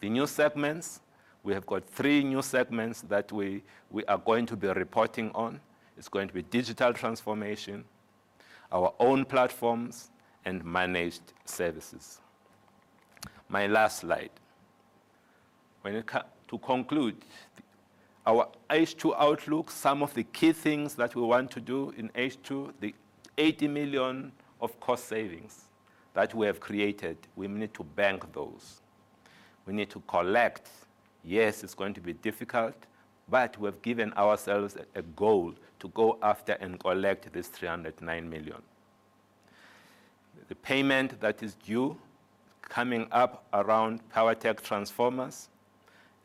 The new segments, we have got three new segments that we are going to be reporting on. It's going to be digital transformation, our own platforms, and managed services. My last slide. To conclude, our H2 outlook, some of the key things that we want to do in H2, the 80 million of cost savings that we have created, we need to bank those. We need to collect. Yes, it's going to be difficult, but we've given ourselves a goal to go after and collect this 309 million. The payment that is due, coming up around Powertech Transformers,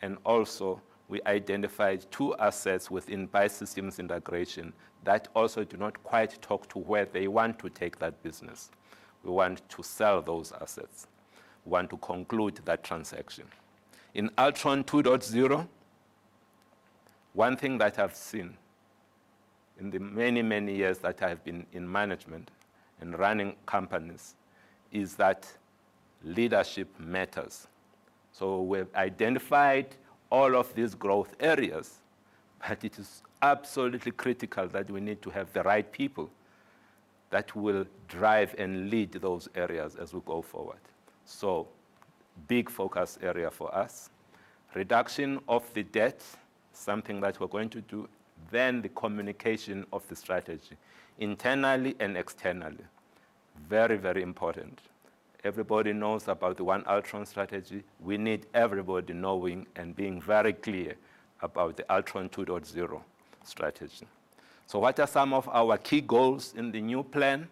and also we identified two assets within Bytes Systems Integration that also do not quite talk to where they want to take that business. We want to sell those assets. We want to conclude that transaction. In Altron 2.0, one thing that I've seen in the many, many years that I've been in management and running companies is that leadership matters. We've identified all of these growth areas, but it is absolutely critical that we need to have the right people that will drive and lead those areas as we go forward. Big focus area for us. Reduction of the debt, something that we're going to do. The communication of the strategy, internally and externally. Very, very important. Everybody knows about the One Altron strategy. We need everybody knowing and being very clear about the Altron 2.0 strategy. What are some of our key goals in the new plan?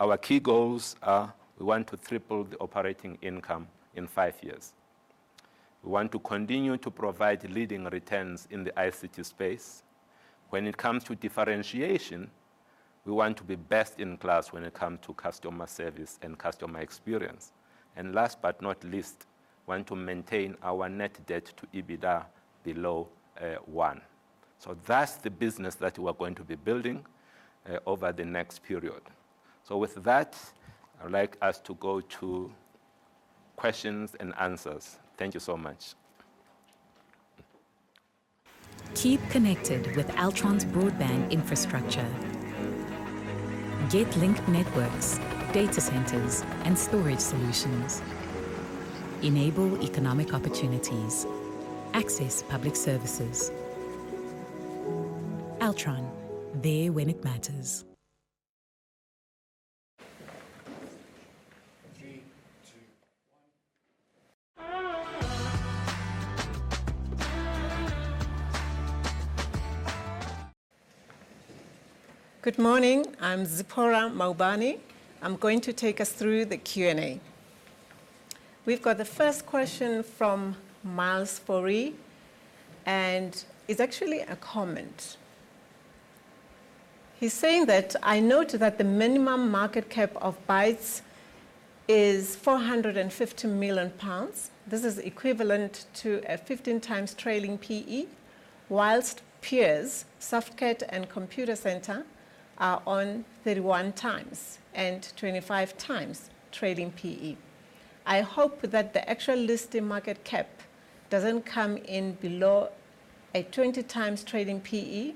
Our key goals are we want to triple the operating income in five years. We want to continue to provide leading returns in the ICT space. When it comes to differentiation, we want to be best in class when it comes to customer service and customer experience. Last but not least, want to maintain our net debt to EBITDA below 1. That's the business that we are going to be building over the next period. With that, I would like us to go to questions and answers. Thank you so much. Keep connected with Altron's broadband infrastructure. Get linked networks, data centers, and storage solutions. Enable economic opportunities. Access public services. Altron, there when it matters. Good morning. I'm Zipporah Maubane. I'm going to take us through the Q&A. We've got the first question from Myles Fourie, and it's actually a comment. He's saying that, "I note that the minimum market cap of Bytes is 450 million pounds. This is equivalent to a 15x trailing P/E, while peers, Softcat and Computacenter, are on 31x and 25x trailing P/E. I hope that the actual listing market cap doesn't come in below a 20x trading P/E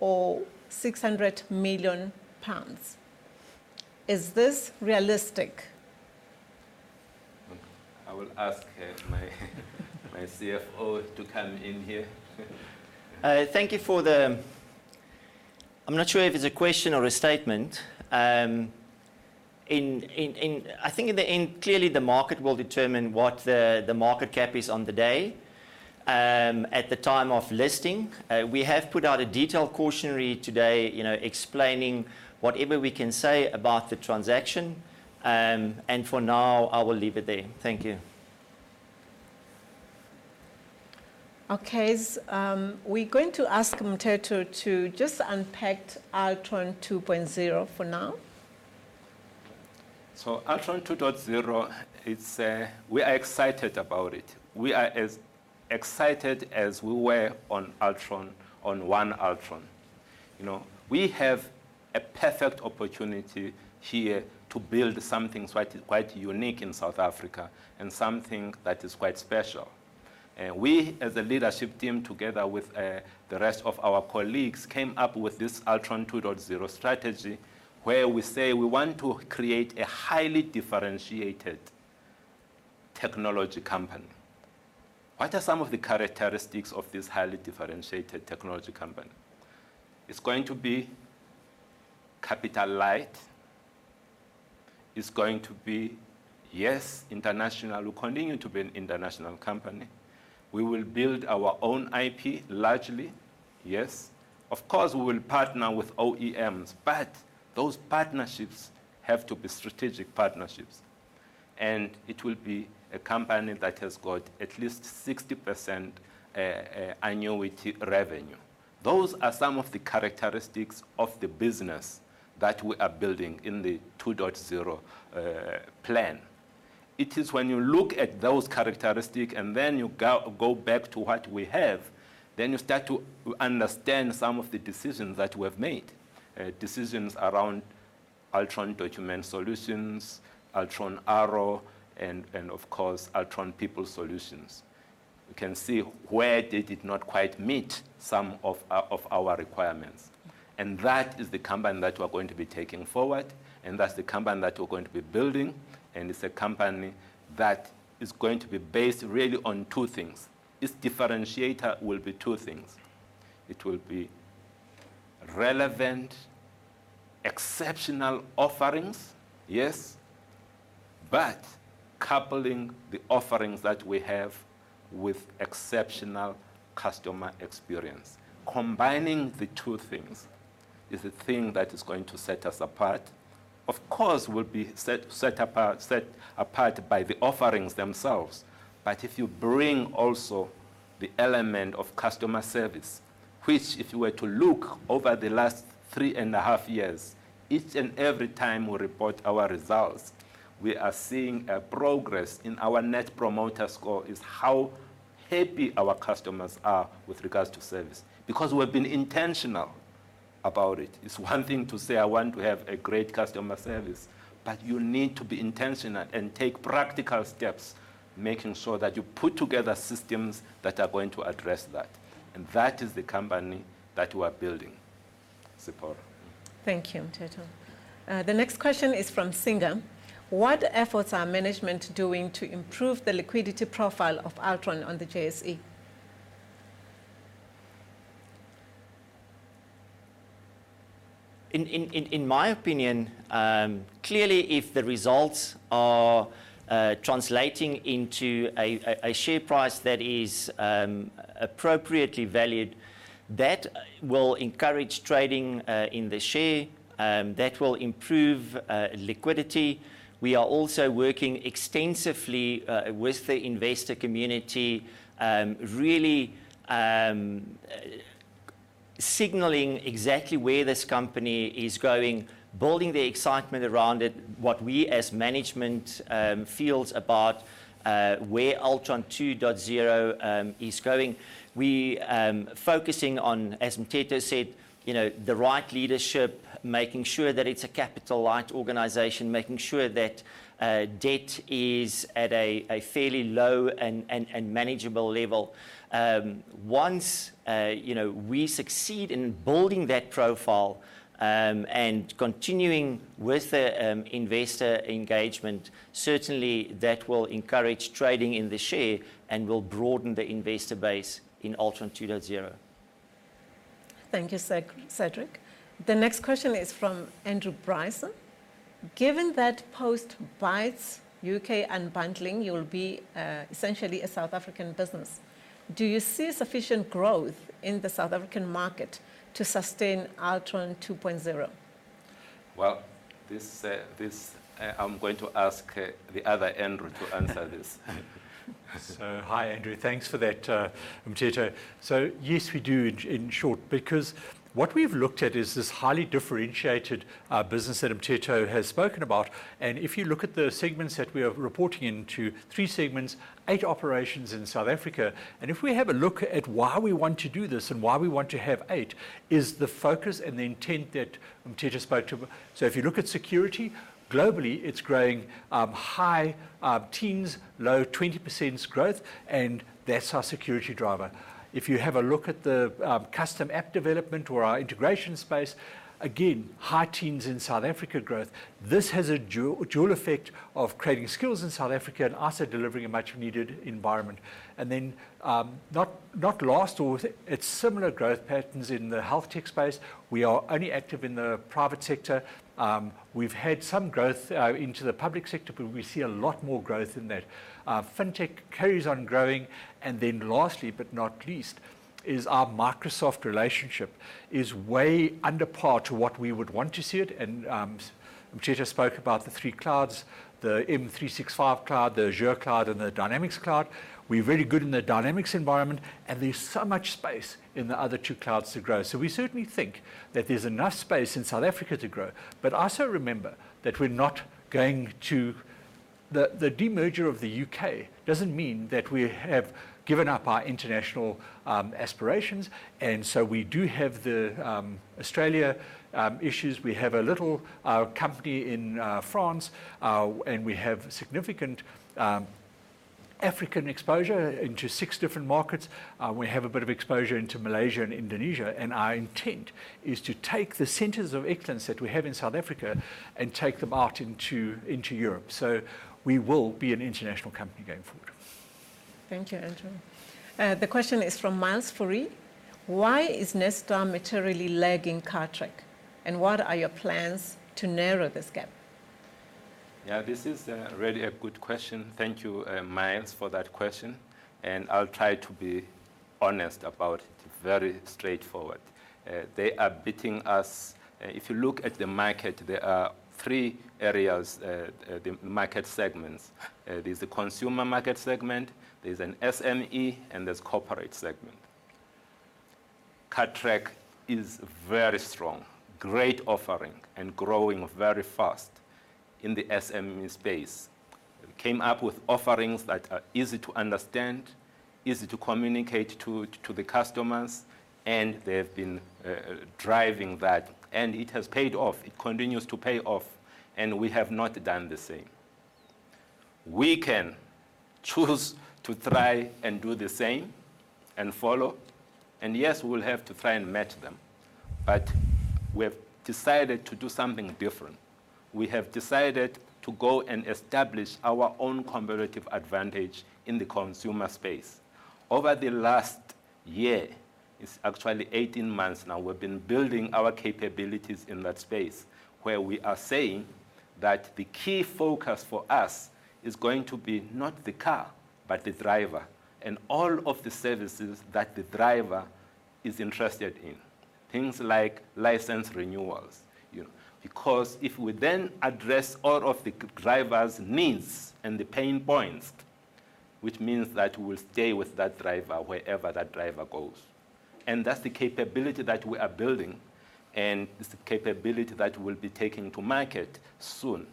or 600 million pounds. Is this realistic? I will ask my CFO to come in here. Thank you for the I'm not sure if it's a question or a statement. I think in the end, clearly the market will determine what the market cap is on the day, at the time of listing. We have put out a detailed cautionary today explaining whatever we can say about the transaction. For now, I will leave it there. Thank you. Okay. We're going to ask Mteto to just unpack Altron 2.0 for now. Altron 2.0, we are excited about it. We are as excited as we were on One Altron. We have a perfect opportunity here to build something quite unique in South Africa and something that is quite special. We, as a leadership team together with the rest of our colleagues, came up with this Altron 2.0 strategy, where we say we want to create a highly differentiated technology company. What are some of the characteristics of this highly differentiated technology company? It's going to be capital light, it's going to be, yes, international. We'll continue to be an international company. We will build our own IP largely. Yes. Of course, we will partner with OEMs, but those partnerships have to be strategic partnerships. It will be a company that has got at least 60% annuity revenue. Those are some of the characteristics of the business that we are building in the 2.0 plan. It is when you look at those characteristics and then you go back to what we have, then you start to understand some of the decisions that we have made. Decisions around Altron Document Solutions, Altron Arrow, and of course, Altron People Solutions. You can see where they did not quite meet some of our requirements. That is the company that we are going to be taking forward, and that's the company that we're going to be building. It's a company that is going to be based really on two things. Its differentiator will be two things. It will be relevant, exceptional offerings. Yes. Coupling the offerings that we have with exceptional customer experience. Combining the two things is the thing that is going to set us apart. Of course, we'll be set apart by the offerings themselves. If you bring also the element of customer service, which if you were to look over the last three and a half years, each and every time we report our results, we are seeing a progress in our net promoter score, is how happy our customers are with regards to service, because we've been intentional about it. It's one thing to say, "I want to have a great customer service," but you need to be intentional and take practical steps, making sure that you put together systems that are going to address that. That is the company that we are building, Zipporah. Thank you, Mteto. The next question is from Singer. What efforts are management doing to improve the liquidity profile of Altron on the JSE? In my opinion, clearly if the results are translating into a share price that is appropriately valued, that will encourage trading in the share, that will improve liquidity. We are also working extensively with the investor community, really signaling exactly where this company is going, building the excitement around it, what we as management feels about where Altron 2.0 is going. We focusing on, as Mteto said, the right leadership, making sure that it's a capital light organization, making sure that debt is at a fairly low and manageable level. Once we succeed in building that profile, and continuing with the investor engagement, certainly that will encourage trading in the share and will broaden the investor base in Altron 2.0. Thank you, Cedric. The next question is from Andrew Bryson. Given that post Bytes UK unbundling, you'll be essentially a South African business. Do you see sufficient growth in the South African market to sustain Altron 2.0? Well, I'm going to ask the other Andrew to answer this. Hi, Andrew. Thanks for that, Mteto. Yes, we do, in short, because what we've looked at is this highly differentiated business that Mteto has spoken about. If you look at the segments that we are reporting into, three segments, eight operations in South Africa. If we have a look at why we want to do this and why we want to have eight, is the focus and the intent that Mteto spoke to. If you look at security, globally, it's growing high teens, low 20% growth, and that's our security driver. If you have a look at the custom app development or our integration space, again, high teens in South Africa growth. This has a dual effect of creating skills in South Africa and also delivering a much-needed environment. Not last, it's similar growth patterns in the health tech space. We are only active in the private sector. We've had some growth into the public sector, but we see a lot more growth in that. Altron FinTech carries on growing. Lastly, but not least, is our Microsoft relationship is way under par to what we would want to see it. Mteto spoke about the three clouds, the M365 cloud, the Azure cloud, and the Dynamics cloud. We're very good in the Dynamics environment, and there's so much space in the other two clouds to grow. We certainly think that there's enough space in South Africa to grow, but also remember that we're not going to The demerger of the U.K. doesn't mean that we have given up our international aspirations, and so we do have the Australia issues. We have a little company in France, and we have significant African exposure into six different markets. We have a bit of exposure into Malaysia and Indonesia. Our intent is to take the centers of excellence that we have in South Africa and take them out into Europe. We will be an international company going forward. Thank you, Andrew. The question is from Myles Fourie: Why is Netstar materially lagging Cartrack, and what are your plans to narrow this gap? Yeah, this is really a good question. Thank you, Myles, for that question, and I'll try to be honest about it, very straightforward. They are beating us. If you look at the market, there are three areas, the market segments. There's the consumer market segment, there's an SME, and there's corporate segment. Cartrack is very strong, great offering, and growing very fast in the SME space. Came up with offerings that are easy to understand, easy to communicate to the customers, and they have been driving that, and it has paid off. It continues to pay off, and we have not done the same. We can choose to try and do the same and follow. Yes, we'll have to try and match them. We have decided to do something different. We have decided to go and establish our own comparative advantage in the consumer space. Over the last year, it's actually 18 months now, we've been building our capabilities in that space, where we are saying that the key focus for us is going to be not the car, but the driver, and all of the services that the driver is interested in. Things like license renewals. If we then address all of the driver's needs and the pain points, which means that we will stay with that driver wherever that driver goes. That's the capability that we are building, and it's the capability that we'll be taking to market soon.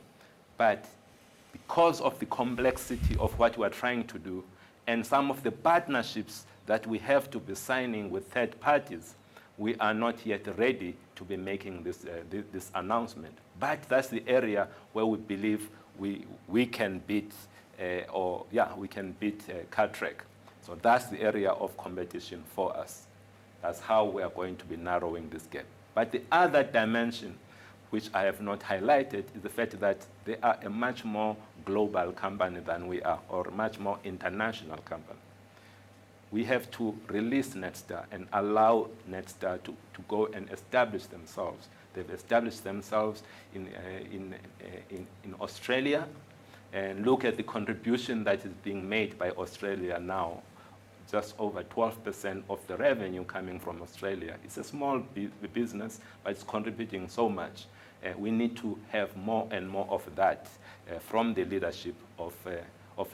Because of the complexity of what we are trying to do and some of the partnerships that we have to be signing with third parties, we are not yet ready to be making this announcement. That's the area where we believe we can beat Cartrack. That's the area of competition for us. That's how we are going to be narrowing this gap. The other dimension, which I have not highlighted, is the fact that they are a much more global company than we are, or a much more international company. We have to release Netstar and allow Netstar to go and establish themselves. They've established themselves in Australia. Look at the contribution that is being made by Australia now. Just over 12% of the revenue coming from Australia. It's a small business, but it's contributing so much. We need to have more and more of that from the leadership of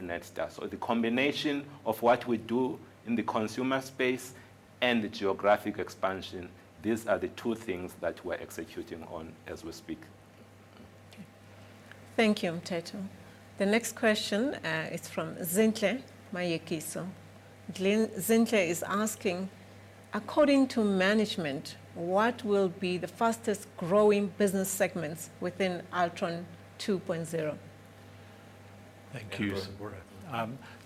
Netstar. The combination of what we do in the consumer space and the geographic expansion, these are the two things that we're executing on as we speak. Okay. Thank you, Mteto. The next question is from Zinhle Mayekiso. Zinhle is asking: According to management, what will be the fastest-growing business segments within Altron 2.0? Thank you.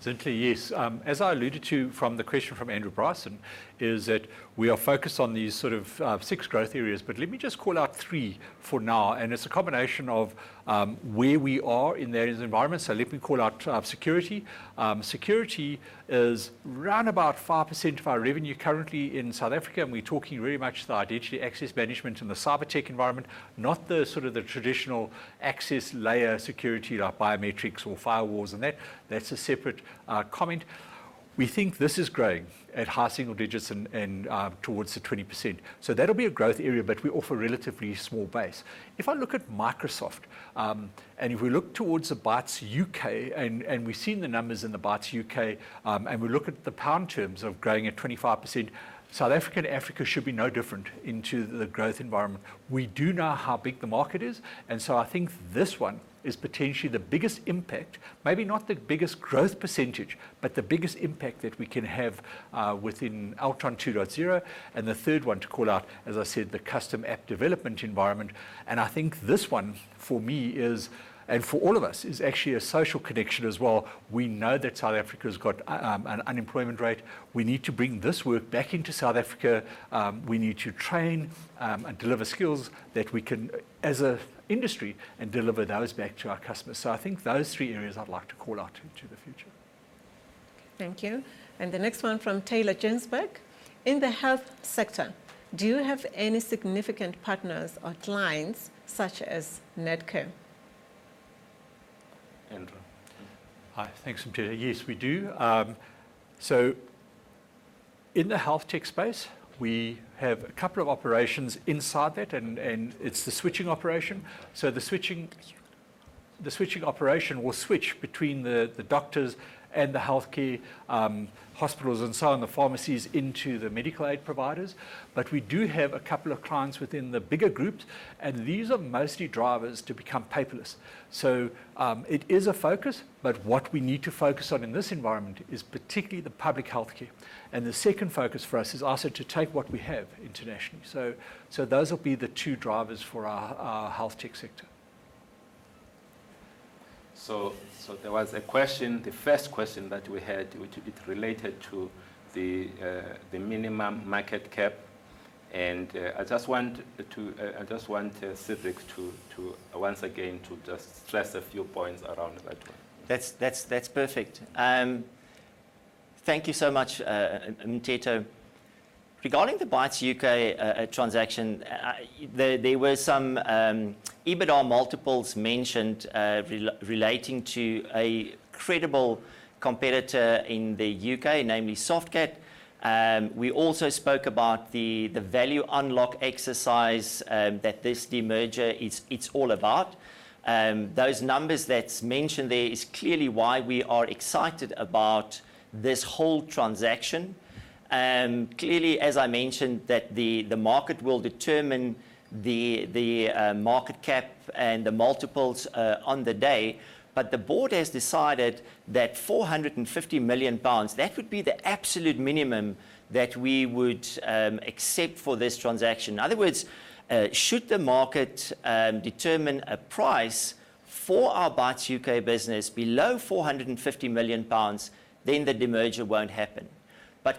Andrew, go for it. Zinhle, yes. As I alluded to from the question from Andrew Bryson, is that we are focused on these sort of six growth areas. Let me just call out three for now, and it's a combination of where we are in those environments. Let me call out security. Security is round about 5% of our revenue currently in South Africa, and we're talking very much the identity access management and the cyber tech environment, not the sort of the traditional access layer security like biometrics or firewalls and that. That's a separate comment. We think this is growing at high single digits and towards the 20%. That'll be a growth area, but we offer relatively small base. If I look at Microsoft, if we look towards the Bytes UK, we've seen the numbers in the Bytes UK, we look at the GBP terms of growing at 25%, South Africa and Africa should be no different into the growth environment. We do know how big the market is, I think this one is potentially the biggest impact. Maybe not the biggest growth percentage, the biggest impact that we can have within Altron 2.0. The third one to call out, as I said, the custom app development environment. I think this one for me is, and for all of us, is actually a social connection as well. We know that South Africa's got an unemployment rate. We need to bring this work back into South Africa. We need to train and deliver skills that we can, as an industry, and deliver those back to our customers. I think those three areas I'd like to call out into the future. Thank you. The next one from Taylor Johannesburg. In the health sector, do you have any significant partners or clients such as Nedbank Corporate and Investment Banking? Andrew. Hi. Thanks, Mteto. Yes, we do. In the HealthTech space, we have a couple of operations inside that, and it's the switching operation. The switching operation will switch between the doctors and the healthcare, hospitals and so on, the pharmacies into the medical aid providers. We do have a couple of clients within the bigger groups, and these are mostly drivers to become paperless. It is a focus, but what we need to focus on in this environment is particularly the public healthcare. The second focus for us is also to take what we have internationally. Those will be the two drivers for our HealthTech sector. There was a question, the first question that we had, which it related to the minimum market cap. I just want Cedric to, once again, to just stress a few points around that one. That's perfect. Thank you so much, Mteto. Regarding the Bytes UK transaction, there were some EBITDA multiples mentioned relating to a credible competitor in the U.K., namely Softcat. We also spoke about the value unlock exercise that this demerger it's all about. Those numbers that's mentioned there is clearly why we are excited about this whole transaction. As I mentioned, the market will determine the market cap and the multiples on the day. The board has decided that 450 million pounds, that would be the absolute minimum that we would accept for this transaction. In other words, should the market determine a price for our Bytes UK business below 450 million pounds, then the demerger won't happen.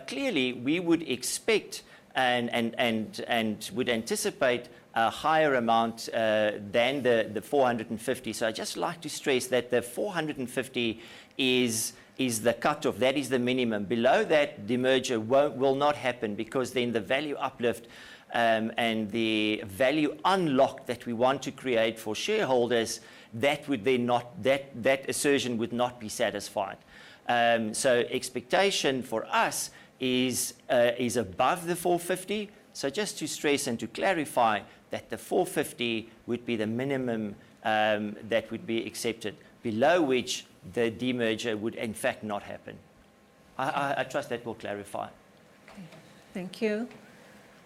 Clearly, we would expect and would anticipate a higher amount than 450. I'd just like to stress that 450 is the cutoff. That is the minimum. Below that, demerger will not happen because then the value uplift, and the value unlock that we want to create for shareholders, that assertion would not be satisfied. Expectation for us is above the 450. Just to stress and to clarify that the 450 would be the minimum that would be accepted, below which the demerger would in fact not happen. I trust that will clarify. Okay. Thank you.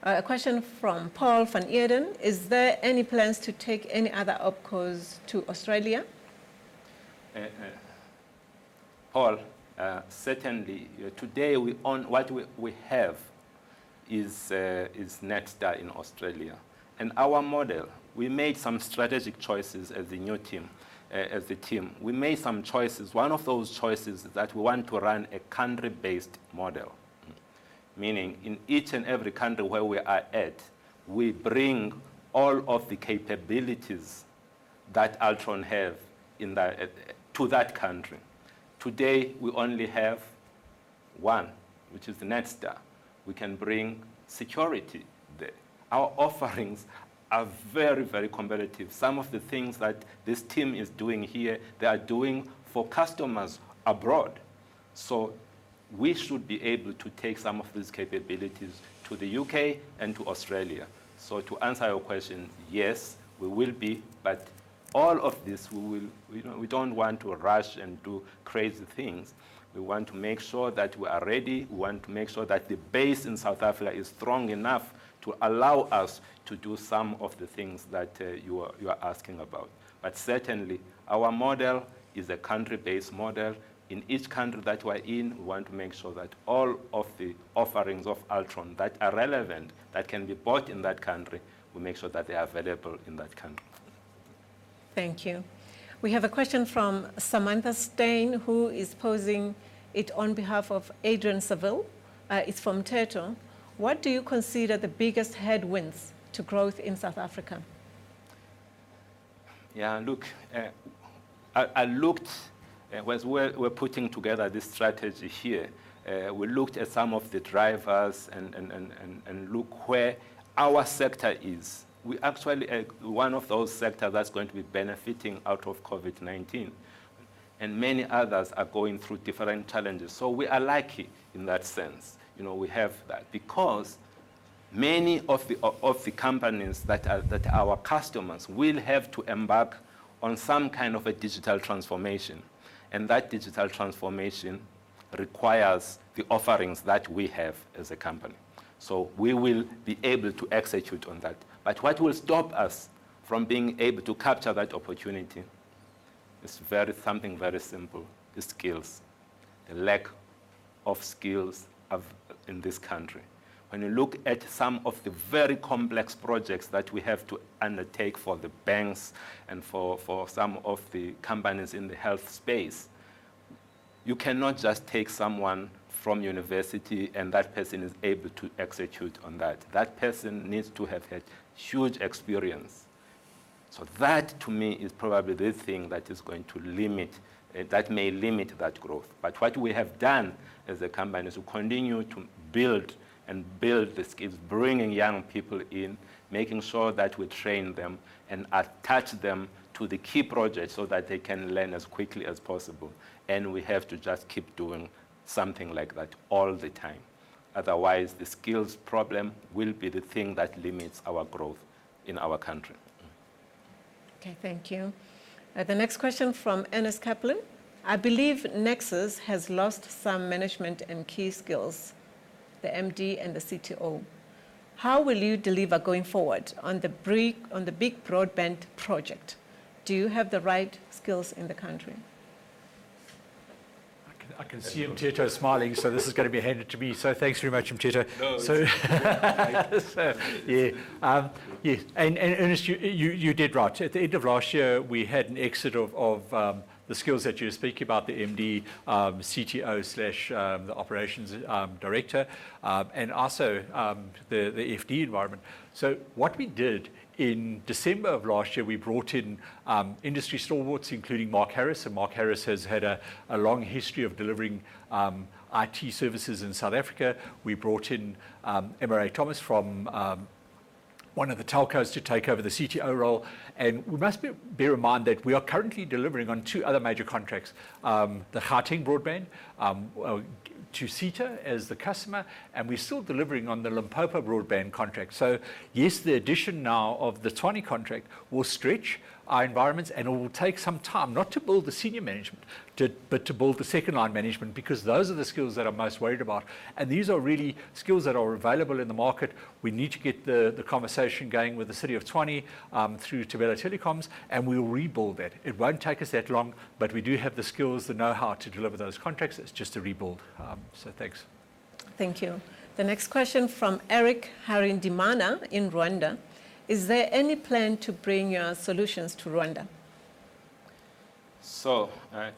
A question from Paul van Eeden. Is there any plans to take any other opcos to Australia? Paul, certainly. Today, what we have is Netstar in Australia. Our model, we made some strategic choices as the new team. We made some choices. One of those choices that we want to run a country-based model, meaning in each and every country where we are at, we bring all of the capabilities that Altron have to that country. Today, we only have one, which is Netstar. We can bring security there. Our offerings are very, very competitive. Some of the things that this team is doing here, they are doing for customers abroad. We should be able to take some of these capabilities to the U.K. and to Australia. To answer your question, yes, we will be, but all of this, we don't want to rush and do crazy things. We want to make sure that we are ready. We want to make sure that the base in South Africa is strong enough to allow us to do some of the things that you are asking about. Certainly, our model is a country-based model. In each country that we are in, we want to make sure that all of the offerings of Altron that are relevant, that can be bought in that country, we make sure that they are available in that country. Thank you. We have a question from Samantha Steyn, who is posing it on behalf of Adrian Saville. It's for Mteto. What do you consider the biggest headwinds to growth in South Africa? Yeah, look. As we're putting together this strategy here, we looked at some of the drivers and look where our sector is. We actually are one of those sector that's going to be benefiting out of COVID-19, and many others are going through different challenges. We are lucky in that sense. We have that. Many of the companies that are our customers will have to embark on some kind of a digital transformation, and that digital transformation requires the offerings that we have as a company. We will be able to execute on that. What will stop us from being able to capture that opportunity is something very simple: the skills, the lack of skills in this country. When you look at some of the very complex projects that we have to undertake for the banks and for some of the companies in the health space, you cannot just take someone from university and that person is able to execute on that. That person needs to have had huge experience. That to me is probably the thing that may limit that growth. What we have done as a company is we continue to build the skills, bringing young people in, making sure that we train them and attach them to the key projects so that they can learn as quickly as possible. We have to just keep doing something like that all the time. Otherwise, the skills problem will be the thing that limits our growth in our country. Okay, thank you. The next question from Ernest Kaplan. I believe Nexus has lost some management and key skills, the MD and the CTO. How will you deliver going forward on the big broadband project? Do you have the right skills in the country? I can see Mteto smiling, so this is going to be handed to me. Thanks very much, Mteto. No. Yeah. Yes. Ernest, you did right. At the end of last year, we had an exit of the skills that you're speaking about, the MD, CTO/the operations director, and also, the FD environment. What we did in December of last year, we brought in industry stalwarts, including Mark Harris, Mark Harris has had a long history of delivering IT services in South Africa. We brought in Emera Thomas from one of the telcos to take over the CTO role. We must bear in mind that we are currently delivering on two other major contracts, the Gauteng broadband to SITA as the customer, and we're still delivering on the Limpopo broadband contract. Yes, the addition now of the Tshwane contract will stretch our environments, and it will take some time, not to build the senior management, but to build the second-line management, because those are the skills that I'm most worried about. These are really skills that are available in the market. We need to get the conversation going with the City of Tshwane through Thobela Telecoms, and we will rebuild that. It won't take us that long, but we do have the skills, the know-how to deliver those contracts. It's just to rebuild. Thanks. Thank you. The next question from Eric Harimana in Rwanda. Is there any plan to bring your solutions to Rwanda?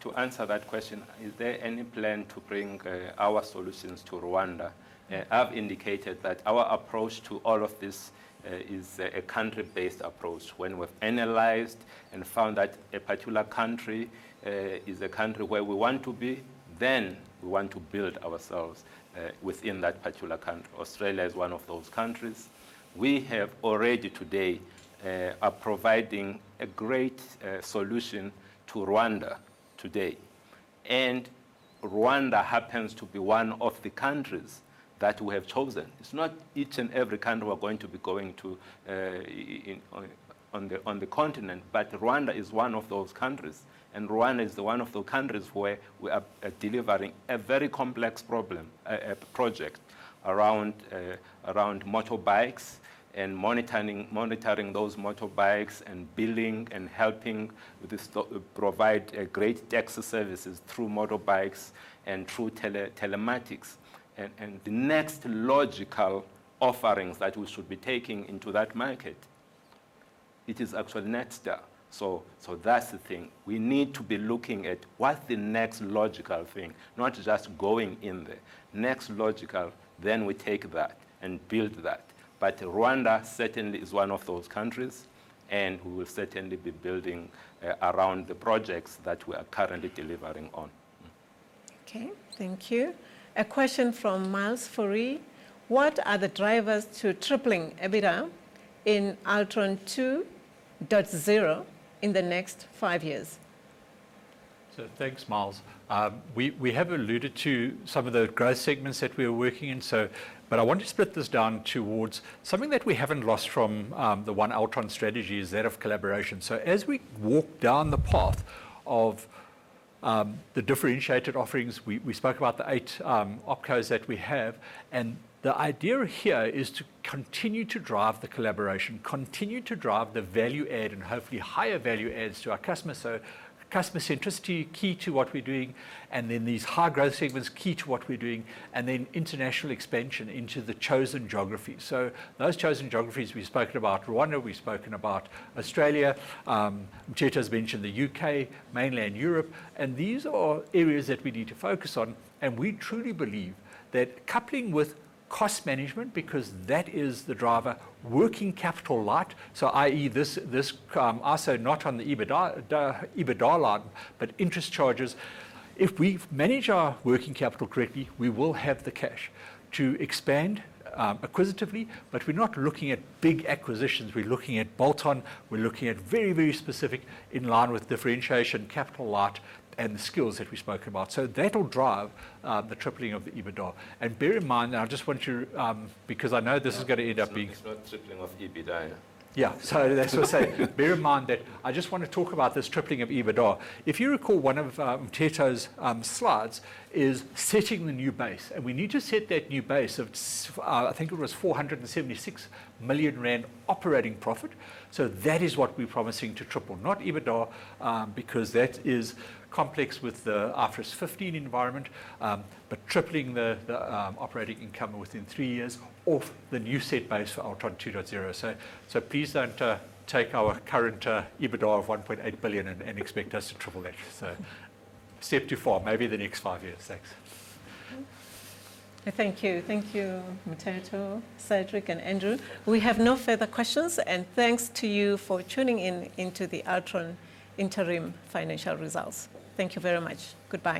To answer that question, is there any plan to bring our solutions to Rwanda? I've indicated that our approach to all of this is a country-based approach. When we've analyzed and found that a particular country is a country where we want to be, then we want to build ourselves within that particular country. Australia is one of those countries. We have already today are providing a great solution to Rwanda today. Rwanda happens to be one of the countries that we have chosen. It's not each and every country we're going to be going to on the continent, but Rwanda is one of those countries, and Rwanda is one of those countries where we are delivering a very complex project around motorbikes and monitoring those motorbikes and building and helping provide great taxi services through motorbikes and through telematics. The next logical offerings that we should be taking into that market, it is actually next. That's the thing. We need to be looking at what's the next logical thing, not just going in there. Next logical, then we take that and build that. Rwanda certainly is one of those countries, and we will certainly be building around the projects that we are currently delivering on. Okay. Thank you. A question from Myles Fourie. What are the drivers to tripling EBITDA in Altron 2.0 in the next five years? Thanks, Myles. We have alluded to some of the growth segments that we are working in, but I want to split this down towards something that we haven't lost from the One Altron strategy, is that of collaboration. As we walk down the path of the differentiated offerings, we spoke about the eight opcos that we have, and the idea here is to continue to drive the collaboration, continue to drive the value add, and hopefully higher value adds to our customers. Customer centricity, key to what we're doing, and then these high-growth segments, key to what we're doing, and then international expansion into the chosen geographies. Those chosen geographies, we've spoken about Rwanda, we've spoken about Australia. Mteto's mentioned the U.K., mainland Europe. These are areas that we need to focus on. We truly believe that coupling with cost management, because that is the driver, working capital light, so i.e. this also not on the EBITDA line, but interest charges. If we manage our working capital correctly, we will have the cash to expand acquisitively, but we're not looking at big acquisitions. We're looking at bolt-on. We're looking at very, very specific, in line with differentiation, capital light, and the skills that we spoke about. That'll drive the tripling of the EBITDA. Bear in mind, I just want you, because I know this is going to end up being. It's not tripling of EBITDA. That's what I'm saying. Bear in mind that I just want to talk about this tripling of EBITDA. If you recall, one of Mteto's slides is setting the new base, and we need to set that new base of, I think it was 476 million rand operating profit. That is what we're promising to triple, not EBITDA, because that is complex with the IFRS 15 environment. Tripling the operating income within three years off the new set base for Altron 2.0. Please don't take our current EBITDA of 1.8 billion and expect us to triple that. Step too far. Maybe the next five years. Thanks. Thank you. Thank you, Mteto, Cedric, and Andrew. We have no further questions, thanks to you for tuning into the Altron interim financial results. Thank you very much. Goodbye.